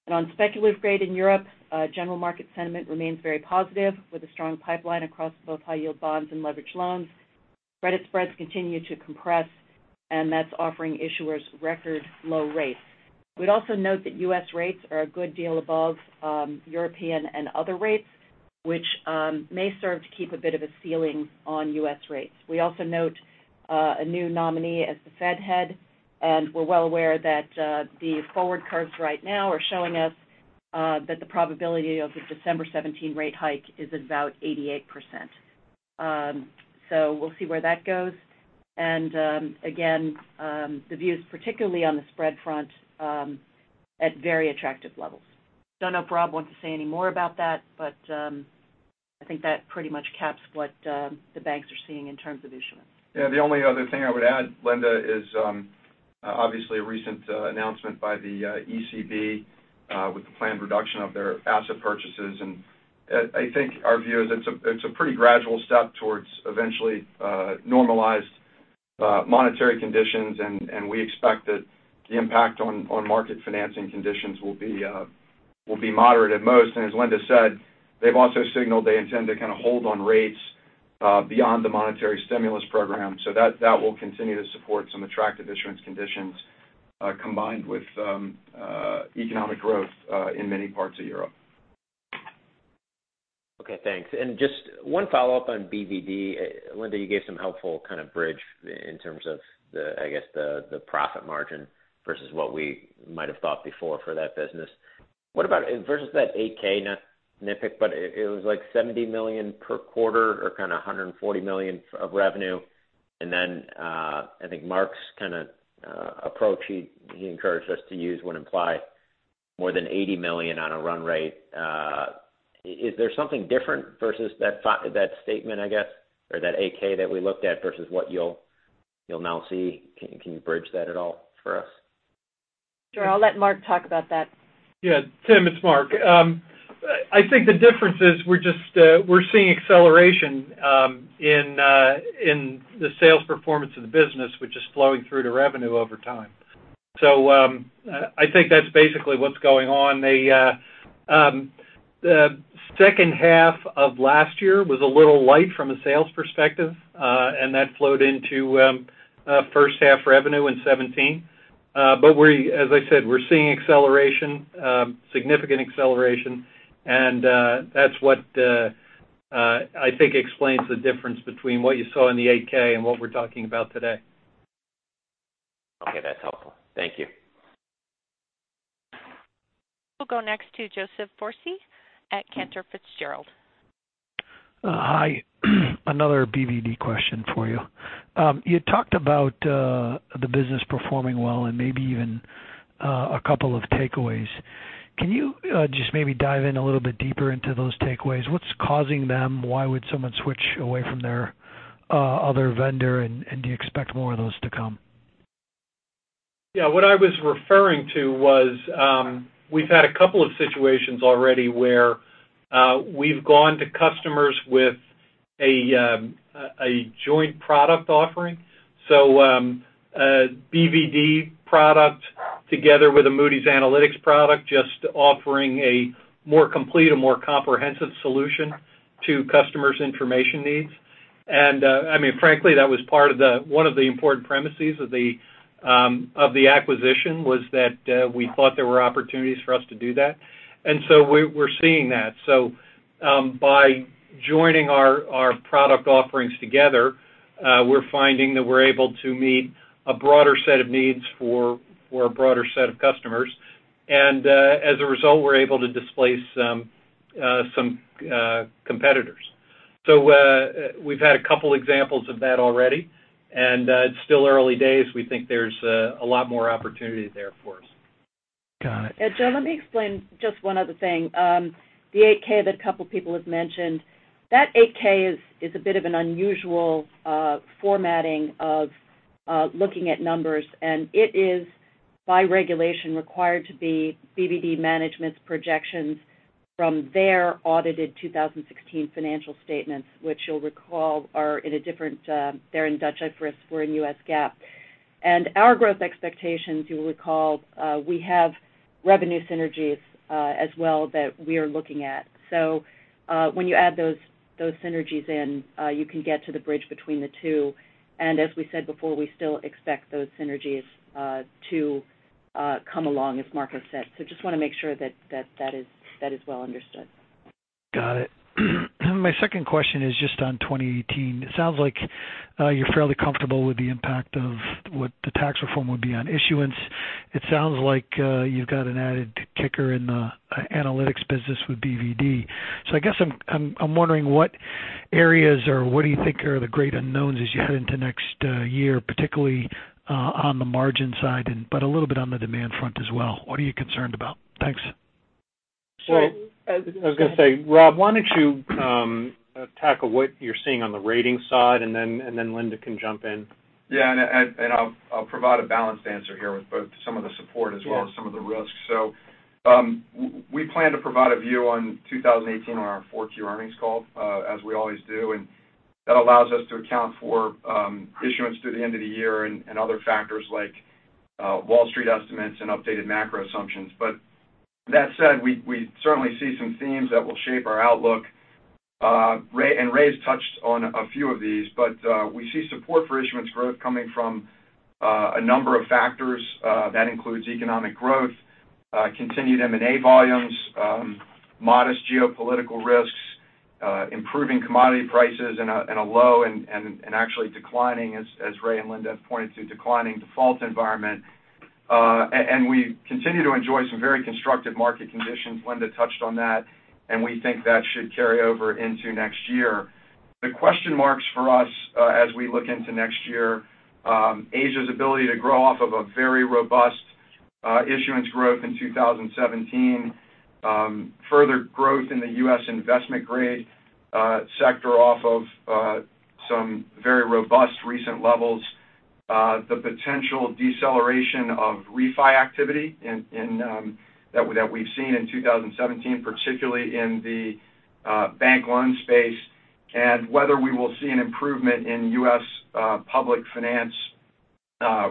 On speculative grade in Europe, general market sentiment remains very positive, with a strong pipeline across both high-yield bonds and leveraged loans. Credit spreads continue to compress, and that's offering issuers record low rates. We'd also note that U.S. rates are a good deal above European and other rates, which may serve to keep a bit of a ceiling on U.S. rates. We also note a new nominee as the Fed head, and we're well aware that the forward curves right now are showing us that the probability of a December 2017 rate hike is about 88%. We'll see where that goes. Again, the view is particularly on the spread front at very attractive levels. Don't know if Rob wants to say any more about that, but I think that pretty much caps what the banks are seeing in terms of issuance. The only other thing I would add, Linda, is obviously a recent announcement by the ECB with the planned reduction of their asset purchases. I think our view is it's a pretty gradual step towards eventually normalized monetary conditions, and we expect that the impact on market financing conditions will be moderate at most. As Linda said, they've also signaled they intend to kind of hold on rates beyond the monetary stimulus program. That will continue to support some attractive issuance conditions combined with economic growth in many parts of Europe. Okay, thanks. Just one follow-up on BvD. Linda, you gave some helpful kind of bridge in terms of the profit margin versus what we might have thought before for that business. Versus that 8-K, not NPIC, but it was like $70 million per quarter or kind of $140 million of revenue. I think Mark's kind of approach he encouraged us to use would imply more than $80 million on a run rate. Is there something different versus that statement, I guess, or that 8-K that we looked at versus what you'll now see? Can you bridge that at all for us? Sure. I'll let Mark talk about that. Yeah. Tim, it's Mark. I think the difference is we're seeing acceleration in the sales performance of the business, which is flowing through to revenue over time. I think that's basically what's going on. The second half of last year was a little light from a sales perspective, and that flowed into first half revenue in 2017. As I said, we're seeing significant acceleration, and that's what I think explains the difference between what you saw in the 8-K and what we're talking about today. Okay, that's helpful. Thank you. We'll go next to Joseph Foresi at Cantor Fitzgerald. Hi. Another BvD question for you. You talked about the business performing well and maybe even a couple of takeaways. Can you just maybe dive in a little bit deeper into those takeaways? What's causing them? Why would someone switch away from their other vendor? Do you expect more of those to come? Yeah. What I was referring to was, we've had a couple of situations already where we've gone to customers with a joint product offering. A BvD product together with a Moody's Analytics product, just offering a more complete and more comprehensive solution to customers' information needs. Frankly, that was one of the important premises of the acquisition, was that we thought there were opportunities for us to do that. We're seeing that. By joining our product offerings together, we're finding that we're able to meet a broader set of needs for a broader set of customers. As a result, we're able to displace some competitors. We've had a couple examples of that already, and it's still early days. We think there's a lot more opportunity there for us. Got it. Joe, let me explain just one other thing. The 8-K that a couple people have mentioned, that 8-K is a bit of an unusual formatting of looking at numbers, and it is, by regulation, required to be BvD Management's projections from their audited 2016 financial statements, which you'll recall are in a different-- They're in Dutch IFRS, we're in US GAAP. Our growth expectations, you will recall, we have revenue synergies as well that we are looking at. When you add those synergies in, you can get to the bridge between the two. As we said before, we still expect those synergies to come along, as Mark said. Just want to make sure that is well understood. Got it. My second question is just on 2018. It sounds like you're fairly comfortable with the impact of what the tax reform would be on issuance. It sounds like you've got an added kicker in the analytics business with BvD. I guess I'm wondering what areas, or what do you think are the great unknowns as you head into next year, particularly on the margin side, but a little bit on the demand front as well. What are you concerned about? Thanks. I was going to say, Rob, why don't you tackle what you're seeing on the ratings side, and then Linda can jump in. I'll provide a balanced answer here with both some of the support as well as some of the risks. We plan to provide a view on 2018 on our 4-tier earnings call, as we always do. That allows us to account for issuance through the end of the year and other factors like Wall Street estimates and updated macro assumptions. That said, we certainly see some themes that will shape our outlook. Ray's touched on a few of these, but we see support for issuance growth coming from a number of factors. That includes economic growth, continued M&A volumes, modest geopolitical risks, improving commodity prices in a low and actually declining, as Ray and Linda have pointed to, declining default environment. We continue to enjoy some very constructive market conditions. Linda touched on that. We think that should carry over into next year. The question marks for us as we look into next year, Asia's ability to grow off of a very robust issuance growth in 2017, further growth in the U.S. investment grade sector off of some very robust recent levels, the potential deceleration of refi activity that we've seen in 2017, particularly in the bank loan space, and whether we will see an improvement in U.S. public finance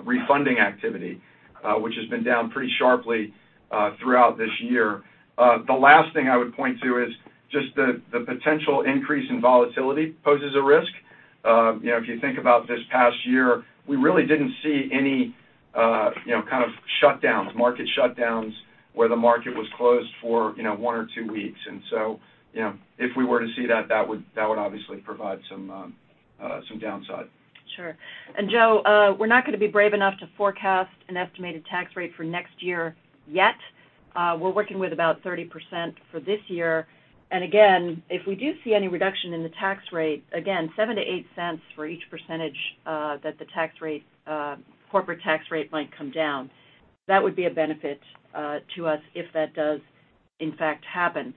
refunding activity, which has been down pretty sharply throughout this year. The last thing I would point to is just the potential increase in volatility poses a risk. If you think about this past year, we really didn't see any kind of shutdowns, market shutdowns, where the market was closed for one or two weeks. If we were to see that would obviously provide some downside. Sure. Joe, we're not going to be brave enough to forecast an estimated tax rate for next year, yet. We're working with about 30% for this year. Again, if we do see any reduction in the tax rate, again, $0.07-$0.08 for each % that the corporate tax rate might come down. That would be a benefit to us if that does in fact happen.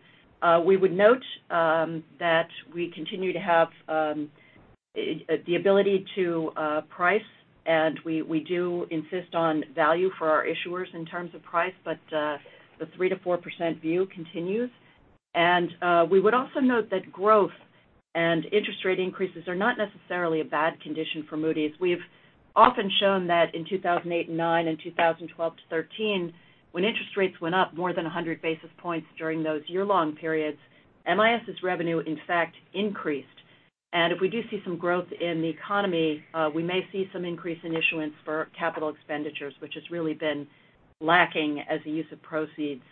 We would note that we continue to have the ability to price, and we do insist on value for our issuers in terms of price, but the 3%-4% view continues. We would also note that growth interest rate increases are not necessarily a bad condition for Moody's. We've often shown that in 2008 and 2009 and 2012 to 2013, when interest rates went up more than 100 basis points during those year-long periods, MIS's revenue, in fact, increased. If we do see some growth in the economy, we may see some increase in issuance for capital expenditures, which has really been lacking as a use of proceeds.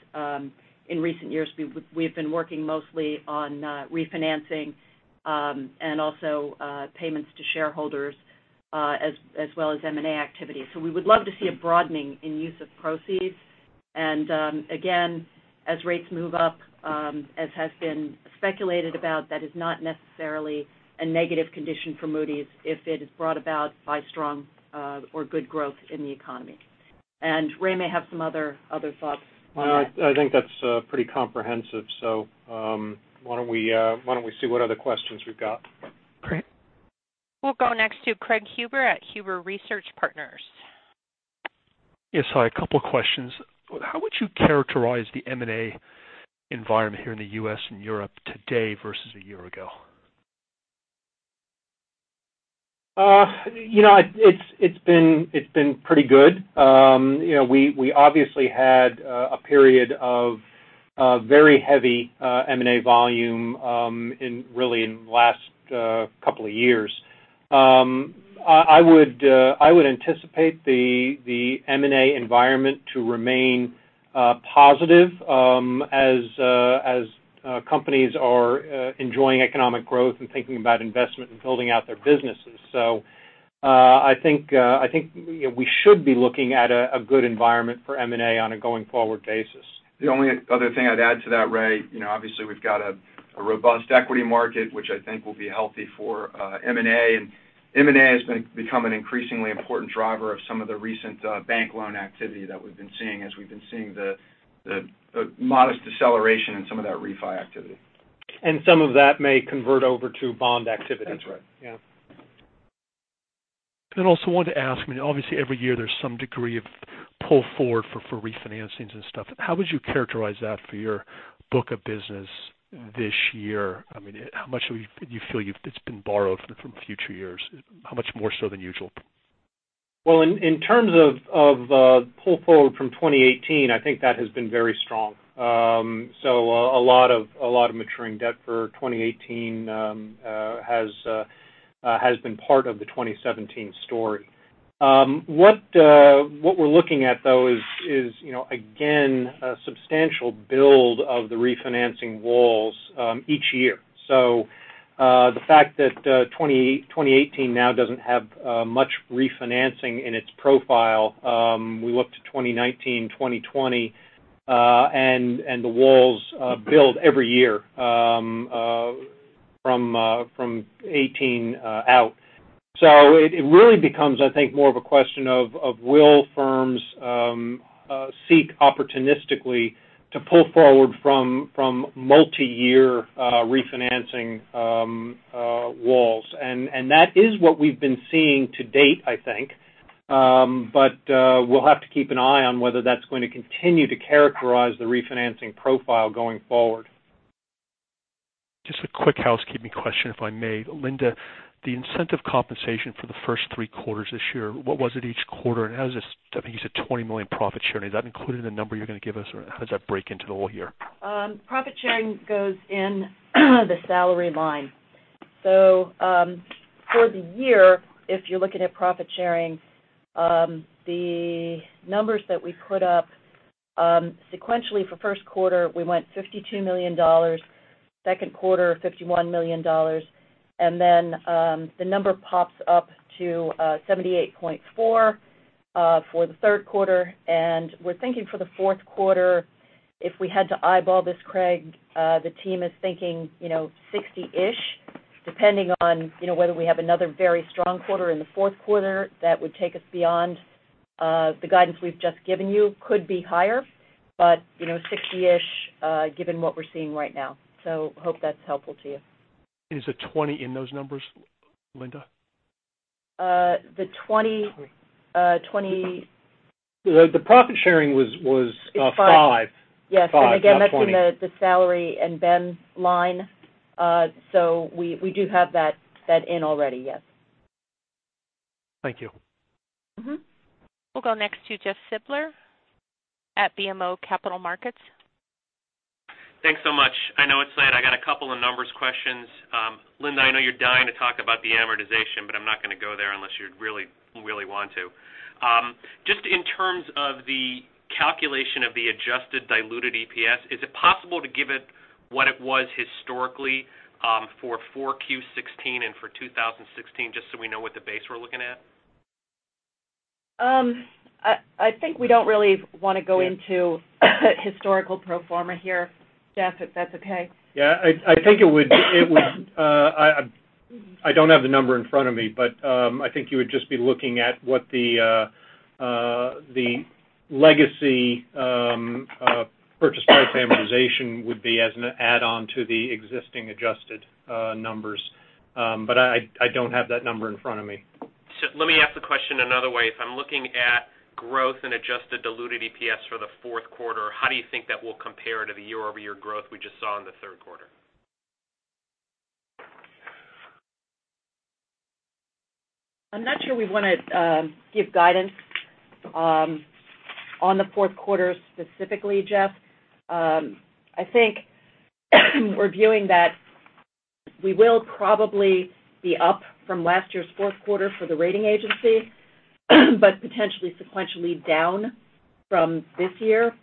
In recent years, we've been working mostly on refinancing, and also payments to shareholders, as well as M&A activity. We would love to see a broadening in use of proceeds. Again, as rates move up, as has been speculated about, that is not necessarily a negative condition for Moody's if it is brought about by strong or good growth in the economy. Ray may have some other thoughts on that. No, I think that's pretty comprehensive. Why don't we see what other questions we've got? Great. We'll go next to Craig Huber at Huber Research Partners. Yes. Hi. A couple of questions. How would you characterize the M&A environment here in the U.S. and Europe today versus a year ago? It's been pretty good. We obviously had a period of very heavy M&A volume really in the last couple of years. I would anticipate the M&A environment to remain positive as companies are enjoying economic growth and thinking about investment and building out their businesses. I think we should be looking at a good environment for M&A on a going forward basis. The only other thing I'd add to that, Ray, obviously we've got a robust equity market, which I think will be healthy for M&A. M&A has become an increasingly important driver of some of the recent bank loan activity that we've been seeing, as we've been seeing the modest deceleration in some of that refi activity. some of that may convert over to bond activity. That's right. Yeah. I also wanted to ask, I mean, obviously every year there's some degree of pull-forward for refinancings and stuff. How would you characterize that for your book of business this year? How much do you feel that's been borrowed from future years? How much more so than usual? Well, in terms of pull-forward from 2018, I think that has been very strong. A lot of maturing debt for 2018 has been part of the 2017 story. What we're looking at, though, is again, a substantial build of the refinancing walls each year. The fact that 2018 now doesn't have much refinancing in its profile. We look to 2019, 2020, and the walls build every year from '18 out. It really becomes, I think, more of a question of will firms seek opportunistically to pull forward from multi-year refinancing walls. That is what we've been seeing to date, I think. We'll have to keep an eye on whether that's going to continue to characterize the refinancing profile going forward. Just a quick housekeeping question, if I may. Linda, the incentive compensation for the first three quarters this year, what was it each quarter? Is that included in the number you're going to give us, or how does that break into the whole year? I think you said $20 million profit sharing. Profit sharing goes in the salary line. For the year, if you're looking at profit sharing, the numbers that we put up sequentially for first quarter, we went $52 million. Second quarter, $51 million. The number pops up to $78.4 for the third quarter. We're thinking for the fourth quarter, if we had to eyeball this, Craig, the team is thinking 60-ish, depending on whether we have another very strong quarter in the fourth quarter that would take us beyond the guidance we've just given you. Could be higher, but 60-ish given what we're seeing right now. Hope that's helpful to you. Is the 20 in those numbers, Linda? The 20- The profit sharing was five. Yes. Five, not 20. Again, that's in the salary and ben line. We do have that in already, yes. Thank you. We'll go next to Jeffrey Silber at BMO Capital Markets. Thanks so much. I know it's late. I got a couple of numbers questions. Linda, I know you're dying to talk about the amortization, but I'm not going to go there unless you really want to. Just in terms of the calculation of the adjusted diluted EPS, is it possible to give it what it was historically for 4Q16 and for 2016, just so we know what the base we're looking at? I think we don't really want to go into historical pro forma here, Jeff, if that's okay. Yeah. I don't have the number in front of me, but I think you would just be looking at what the legacy purchase price amortization would be as an add-on to the existing adjusted numbers. I don't have that number in front of me. Let me ask the question another way. If I'm looking at growth and adjusted diluted EPS for the fourth quarter, how do you think that will compare to the year-over-year growth we just saw in the third quarter? I'm not sure we want to give guidance on the fourth quarter specifically, Jeff. I think we're viewing that we will probably be up from last year's fourth quarter for the rating agency, but potentially sequentially down from this year.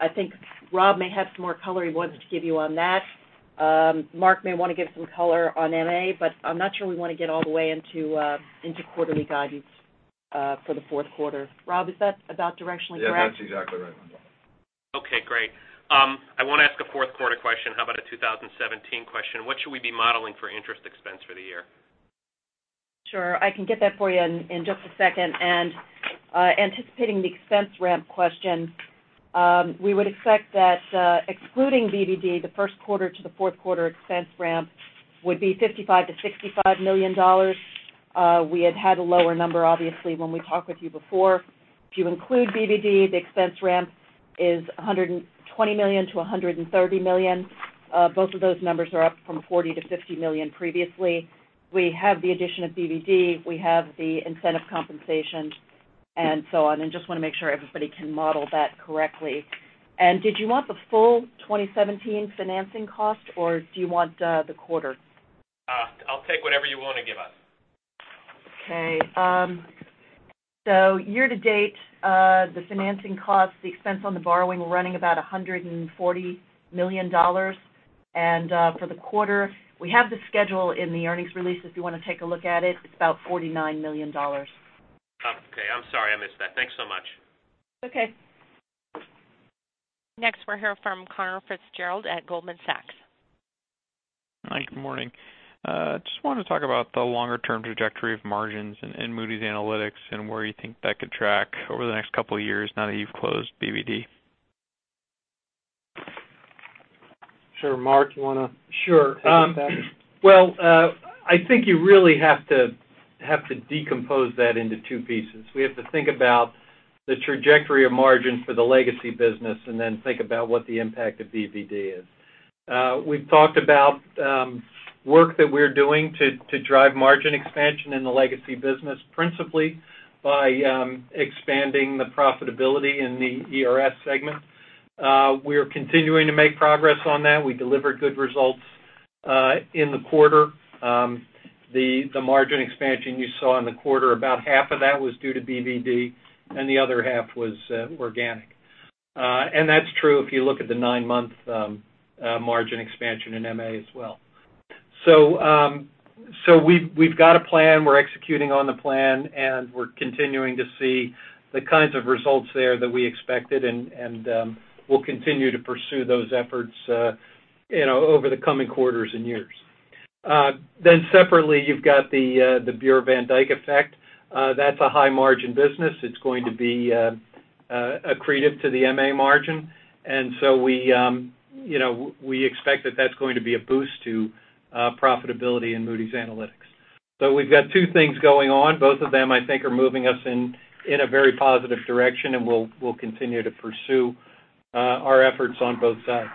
I think Rob may have some more color he wants to give you on that. Mark may want to give some color on MA, but I'm not sure we want to get all the way into quarterly guidance for the fourth quarter. Rob, is that about directionally correct? Yeah, that's exactly right, Linda. Okay, great. I won't ask a fourth quarter question. How about a 2017 question? What should we be modeling for interest expense for the year? Sure. I can get that for you in just a second. Anticipating the expense ramp question, we would expect that excluding BvD, the first quarter to the fourth quarter expense ramp would be $55 million-$65 million. We had had a lower number, obviously, when we talked with you before. If you include BvD, the expense ramp is $120 million-$130 million. Both of those numbers are up from $40 million-$50 million previously. We have the addition of BvD, we have the incentive compensation, and so on, and just want to make sure everybody can model that correctly. Did you want the full 2017 financing cost, or do you want the quarter? I'll take whatever you want to give us. Okay. Year-to-date, the financing cost, the expense on the borrowing, we're running about $140 million. For the quarter, we have the schedule in the earnings release, if you want to take a look at it. It's about $49 million. Okay. I'm sorry, I missed that. Thanks so much. Okay. Next, we'll hear from Conor Fitzgerald at Goldman Sachs. Hi, good morning. Just wanted to talk about the longer-term trajectory of margins in Moody's Analytics and where you think that could track over the next couple of years now that you've closed BvD. Sure. Mark, you want to- Sure take it back? I think you really have to decompose that into two pieces. We have to think about the trajectory of margin for the legacy business, then think about what the impact of BvD is. We've talked about work that we're doing to drive margin expansion in the legacy business, principally by expanding the profitability in the ERS segment. We're continuing to make progress on that. We delivered good results in the quarter. The margin expansion you saw in the quarter, about half of that was due to BvD, and the other half was organic. That's true if you look at the nine-month margin expansion in MA as well. We've got a plan. We're executing on the plan, and we're continuing to see the kinds of results there that we expected, and we'll continue to pursue those efforts over the coming quarters and years. Separately, you've got the Bureau van Dijk effect. That's a high-margin business. It's going to be accretive to the MA margin. We expect that that's going to be a boost to profitability in Moody's Analytics. We've got two things going on. Both of them, I think, are moving us in a very positive direction, and we'll continue to pursue our efforts on both sides.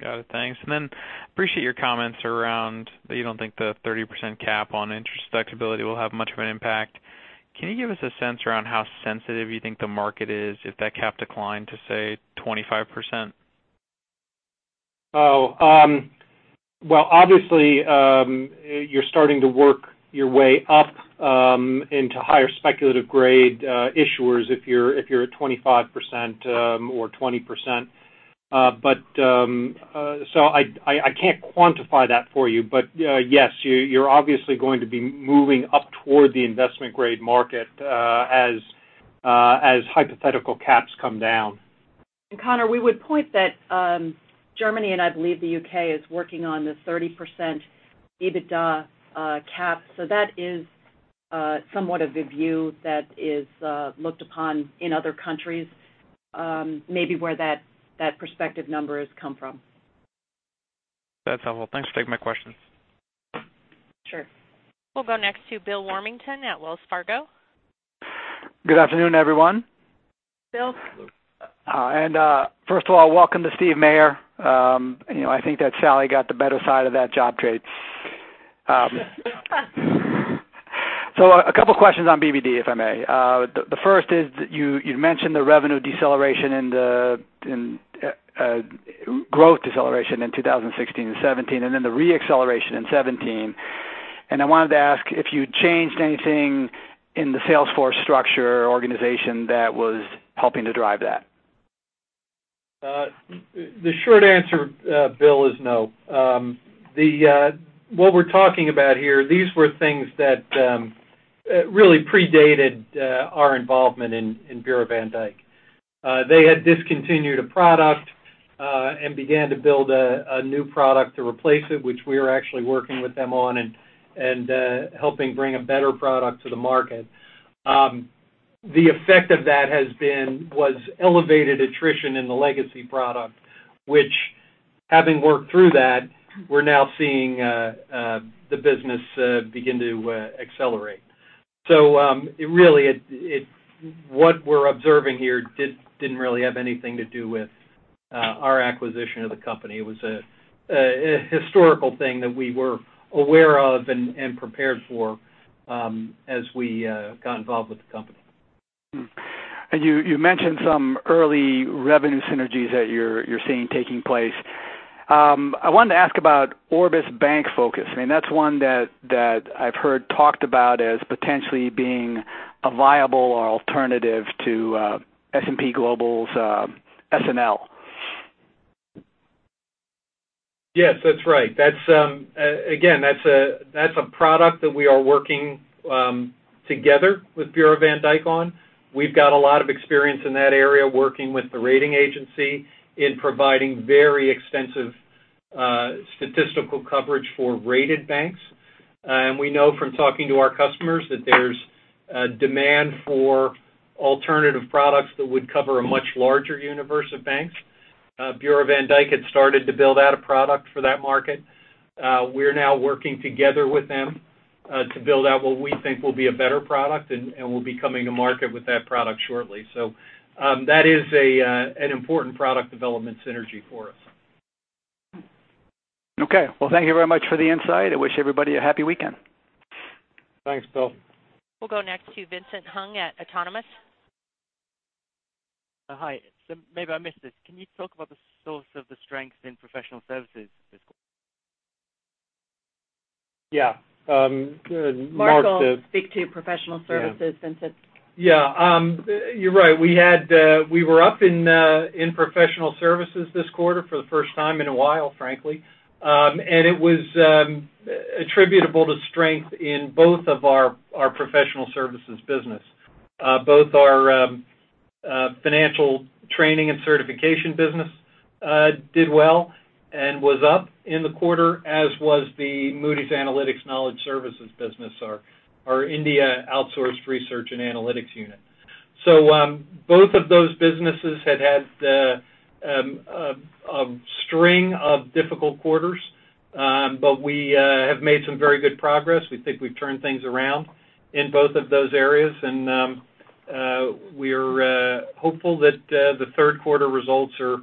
Got it. Thanks. Appreciate your comments around that you don't think the 30% cap on interest deductibility will have much of an impact. Can you give us a sense around how sensitive you think the market is if that cap declined to, say, 25%? Obviously, you're starting to work your way up into higher speculative grade issuers if you're at 25% or 20%. I can't quantify that for you. Yes, you're obviously going to be moving up toward the investment grade market as hypothetical caps come down. Conor, we would point that Germany, and I believe the U.K., is working on this 30% EBITDA cap. That is somewhat of a view that is looked upon in other countries, maybe where that prospective number has come from. That's helpful. Thanks for taking my questions. Sure. We'll go next to Bill Warmington at Wells Fargo. Good afternoon, everyone. Bill. First of all, welcome to Stephen Maire. I think that Sally got the better side of that job trade. A couple questions on BvD, if I may. The first is you'd mentioned the revenue deceleration and the growth deceleration in 2016 and 2017, then the re-acceleration in 2017. I wanted to ask if you changed anything in the sales force structure or organization that was helping to drive that. The short answer, Bill, is no. What we're talking about here, these were things that really predated our involvement in Bureau van Dijk. They had discontinued a product, and began to build a new product to replace it, which we are actually working with them on and helping bring a better product to the market. The effect of that was elevated attrition in the legacy product, which, having worked through that, we're now seeing the business begin to accelerate. Really, what we're observing here didn't really have anything to do with our acquisition of the company. It was a historical thing that we were aware of and prepared for as we got involved with the company. You mentioned some early revenue synergies that you're seeing taking place. I wanted to ask about Orbis BankFocus. That's one that I've heard talked about as potentially being a viable alternative to S&P Global's SNL Financial. Yes, that's right. Again, that's a product that we are working together with Bureau van Dijk on. We've got a lot of experience in that area, working with the rating agency in providing very extensive statistical coverage for rated banks. We know from talking to our customers that there's a demand for alternative products that would cover a much larger universe of banks. Bureau van Dijk had started to build out a product for that market. We're now working together with them to build out what we think will be a better product, and we'll be coming to market with that product shortly. That is an important product development synergy for us. Okay. Well, thank you very much for the insight. I wish everybody a happy weekend. Thanks, Bill. We'll go next to Vincent Hung at Autonomous. Hi. Maybe I missed this. Can you talk about the source of the strength in professional services this quarter? Yeah. Mark. Mark will speak to professional services. Yeah Vincent. Yeah. You're right. We were up in professional services this quarter for the first time in a while, frankly. It was attributable to strength in both of our professional services business. Both our financial training and certification business did well and was up in the quarter, as was the Moody's Analytics Knowledge Services business, our India outsourced research and analytics unit. Both of those businesses had had a string of difficult quarters. We have made some very good progress. We think we've turned things around in both of those areas. We're hopeful that the third quarter results are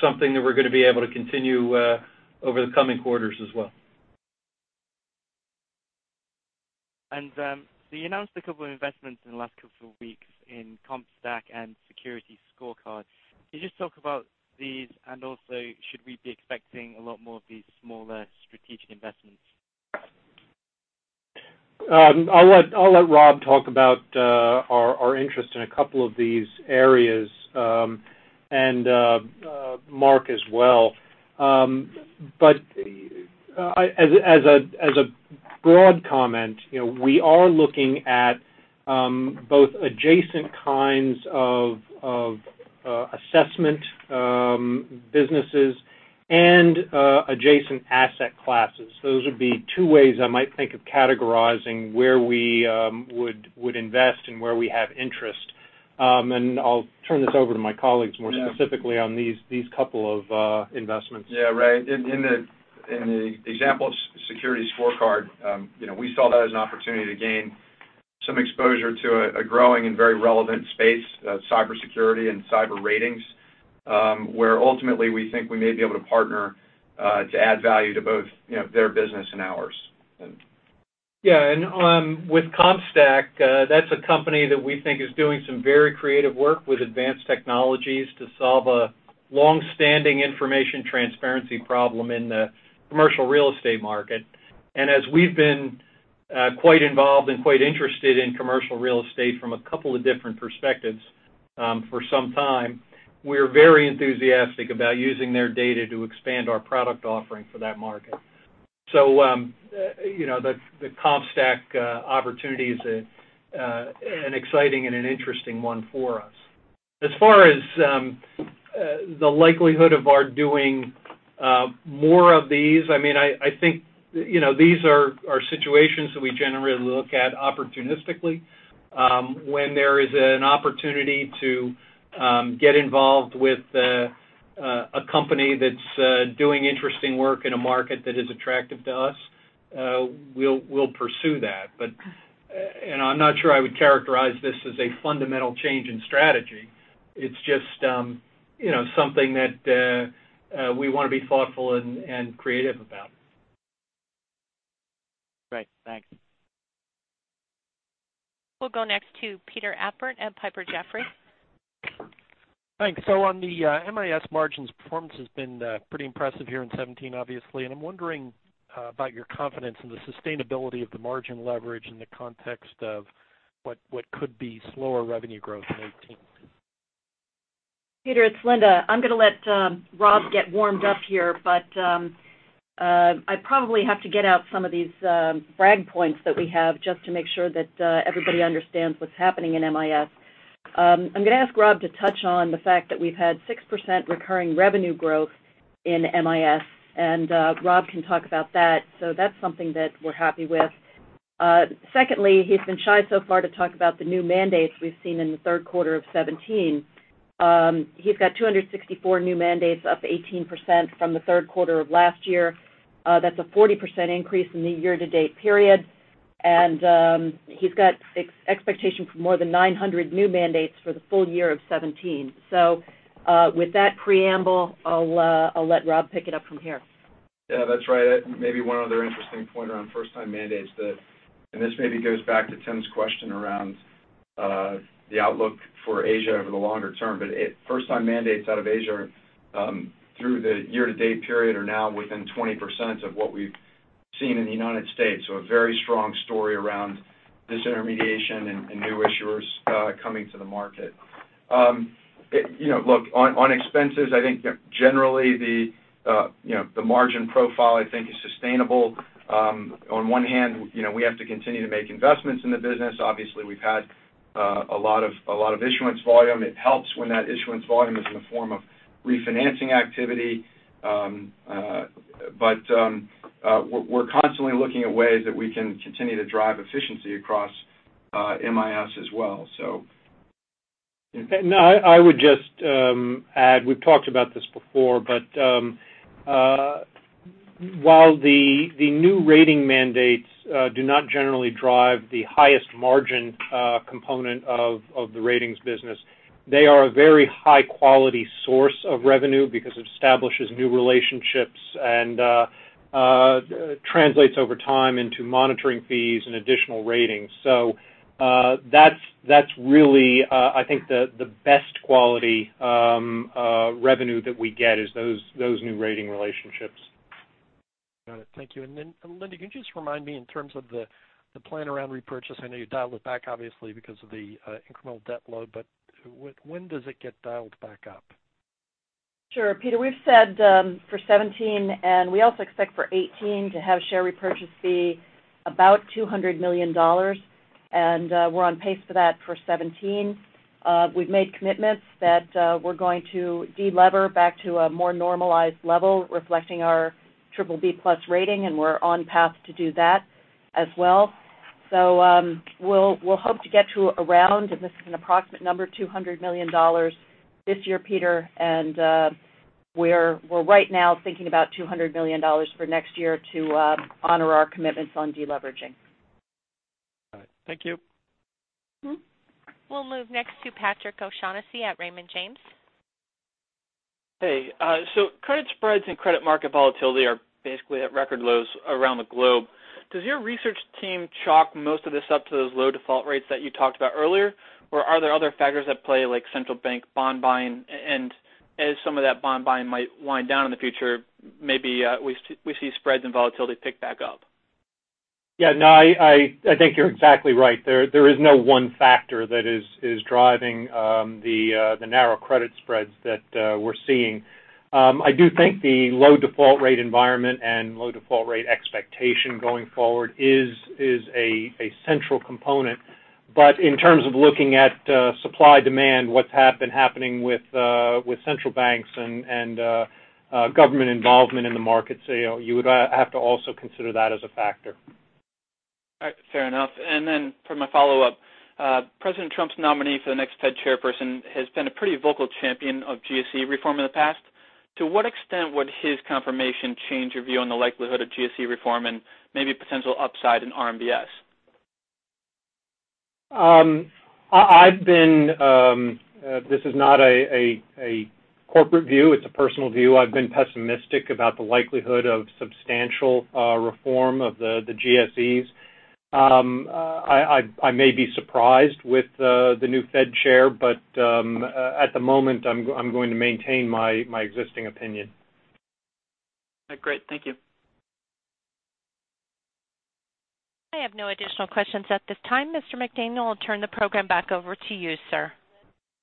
something that we're going to be able to continue over the coming quarters as well. You announced a couple of investments in the last couple of weeks in CompStak and SecurityScorecard. Can you just talk about these, and also should we be expecting a lot more of these smaller strategic investments? I'll let Rob talk about our interest in a couple of these areas, Mark as well. As a broad comment, we are looking at both adjacent kinds of assessment businesses and adjacent asset classes. Those would be two ways I might think of categorizing where we would invest and where we have interest. I'll turn this over to my colleagues more specifically on these couple of investments. Ray. In the example of SecurityScorecard, we saw that as an opportunity to gain some exposure to a growing and very relevant space, cybersecurity and cyber ratings, where ultimately we think we may be able to partner to add value to both their business and ours. With CompStak, that's a company that we think is doing some very creative work with advanced technologies to solve a long-standing information transparency problem in the commercial real estate market. As we've been quite involved and quite interested in commercial real estate from a couple of different perspectives for some time, we're very enthusiastic about using their data to expand our product offering for that market. The CompStak opportunity is an exciting and an interesting one for us. As far as the likelihood of our doing more of these, I think these are situations that we generally look at opportunistically. When there is an opportunity to get involved with a company that's doing interesting work in a market that is attractive to us, we'll pursue that. I'm not sure I would characterize this as a fundamental change in strategy. It's just something that we want to be thoughtful and creative about. Great. Thanks. We'll go next to Peter Appert at Piper Jaffray. Thanks. On the MIS margins, performance has been pretty impressive here in 2017, obviously, and I'm wondering about your confidence in the sustainability of the margin leverage in the context of what could be slower revenue growth in 2018. Peter, it's Linda. I'm going to let Rob get warmed up here, I probably have to get out some of these brag points that we have just to make sure that everybody understands what's happening in MIS. I'm going to ask Rob to touch on the fact that we've had 6% recurring revenue growth in MIS, Rob can talk about that. That's something that we're happy with. Secondly, he's been shy so far to talk about the new mandates we've seen in the third quarter of 2017. He's got 264 new mandates, up 18% from the third quarter of last year. That's a 40% increase in the year-to-date period. He's got expectation for more than 900 new mandates for the full year of 2017. With that preamble, I'll let Rob pick it up from here. Yeah, that's right. Maybe one other interesting point around first-time mandates that this maybe goes back to Tim's question around the outlook for Asia over the longer term, but first-time mandates out of Asia through the year-to-date period are now within 20% of what we've seen in the U.S. A very strong story around disintermediation and new issuers coming to the market. Look, on expenses, I think generally the margin profile, I think is sustainable. On one hand, we have to continue to make investments in the business. Obviously, we've had a lot of issuance volume. It helps when that issuance volume is in the form of refinancing activity. We're constantly looking at ways that we can continue to drive efficiency across MIS as well. No, I would just add, we've talked about this before, but while the new rating mandates do not generally drive the highest margin component of the ratings business, they are a very high-quality source of revenue because it establishes new relationships and translates over time into monitoring fees and additional ratings. That's really I think the best quality revenue that we get is those new rating relationships. Got it. Thank you. Then Linda, can you just remind me in terms of the plan around repurchase? I know you dialed it back, obviously, because of the incremental debt load, but when does it get dialed back up? Sure, Peter. We've said for 2017, and we also expect for 2018 to have share repurchase be about $200 million. We're on pace for that for 2017. We've made commitments that we're going to de-lever back to a more normalized level reflecting our BBB+ rating, and we're on path to do that as well. We'll hope to get to around, and this is an approximate number, $200 million this year, Peter, and we're right now thinking about $200 million for next year to honor our commitments on de-leveraging. All right. Thank you. We'll move next to Patrick O'Shaughnessy at Raymond James. Hey. Credit spreads and credit market volatility are basically at record lows around the globe. Does your research team chalk most of this up to those low default rates that you talked about earlier, or are there other factors at play, like central bank bond buying, and as some of that bond buying might wind down in the future, maybe we see spreads and volatility pick back up? Yeah, no, I think you're exactly right. There is no one factor that is driving the narrow credit spreads that we're seeing. I do think the low default rate environment and low default rate expectation going forward is a central component. In terms of looking at supply-demand, what's been happening with central banks and government involvement in the markets, you would have to also consider that as a factor. Fair enough. For my follow-up, President Trump's nominee for the next Fed chairperson has been a pretty vocal champion of GSE reform in the past. To what extent would his confirmation change your view on the likelihood of GSE reform and maybe potential upside in RMBS? This is not a corporate view, it's a personal view. I've been pessimistic about the likelihood of substantial reform of the GSEs. I may be surprised with the new Fed chair, at the moment, I'm going to maintain my existing opinion. Great. Thank you. I have no additional questions at this time. Mr. McDaniel, I'll turn the program back over to you, sir.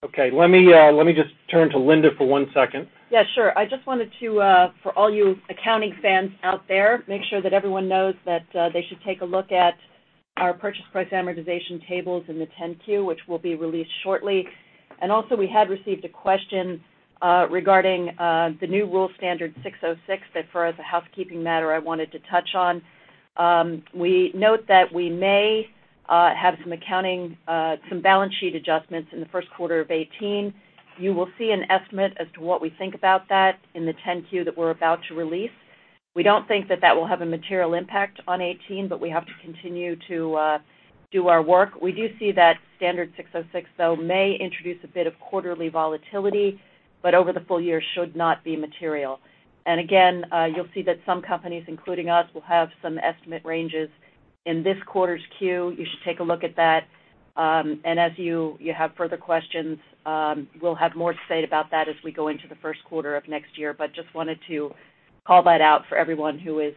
Okay. Let me just turn to Linda for one second. Yeah, sure. I just wanted to, for all you accounting fans out there, make sure that everyone knows that they should take a look at our purchase price amortization tables in the 10-Q, which will be released shortly. Also, we had received a question regarding the new rule ASC 606 that for as a housekeeping matter I wanted to touch on. We note that we may have some balance sheet adjustments in the first quarter of 2018. You will see an estimate as to what we think about that in the 10-Q that we're about to release. We don't think that that will have a material impact on 2018, but we have to continue to do our work. We do see that ASC 606, though, may introduce a bit of quarterly volatility, but over the full year should not be material. Again, you'll see that some companies, including us, will have some estimate ranges in this quarter's Q. You should take a look at that. As you have further questions, we'll have more to say about that as we go into the first quarter of next year. Just wanted to call that out for everyone who is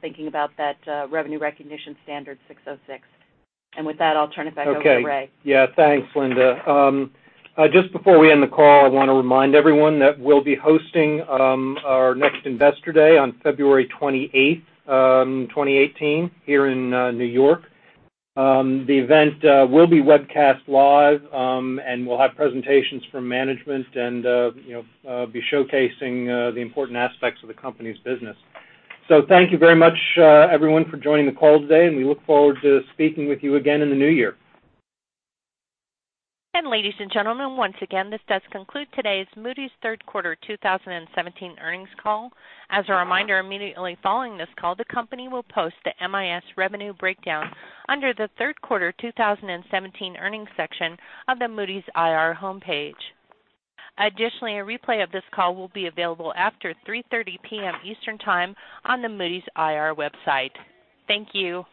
thinking about that revenue recognition ASC 606. With that, I'll turn it back over to Ray. Okay. Yeah, thanks, Linda. Just before we end the call, I want to remind everyone that we'll be hosting our next Investor Day on February 28th, 2018 here in New York. The event will be webcast live, and we'll have presentations from management and be showcasing the important aspects of the company's business. Thank you very much, everyone, for joining the call today, and we look forward to speaking with you again in the new year. Ladies and gentlemen, once again, this does conclude today's Moody's third quarter 2017 earnings call. As a reminder, immediately following this call, the company will post the MIS revenue breakdown under the third quarter 2017 earnings section of the moodys.ir homepage. Additionally, a replay of this call will be available after 3:30 PM Eastern Time on the moodys.ir website. Thank you.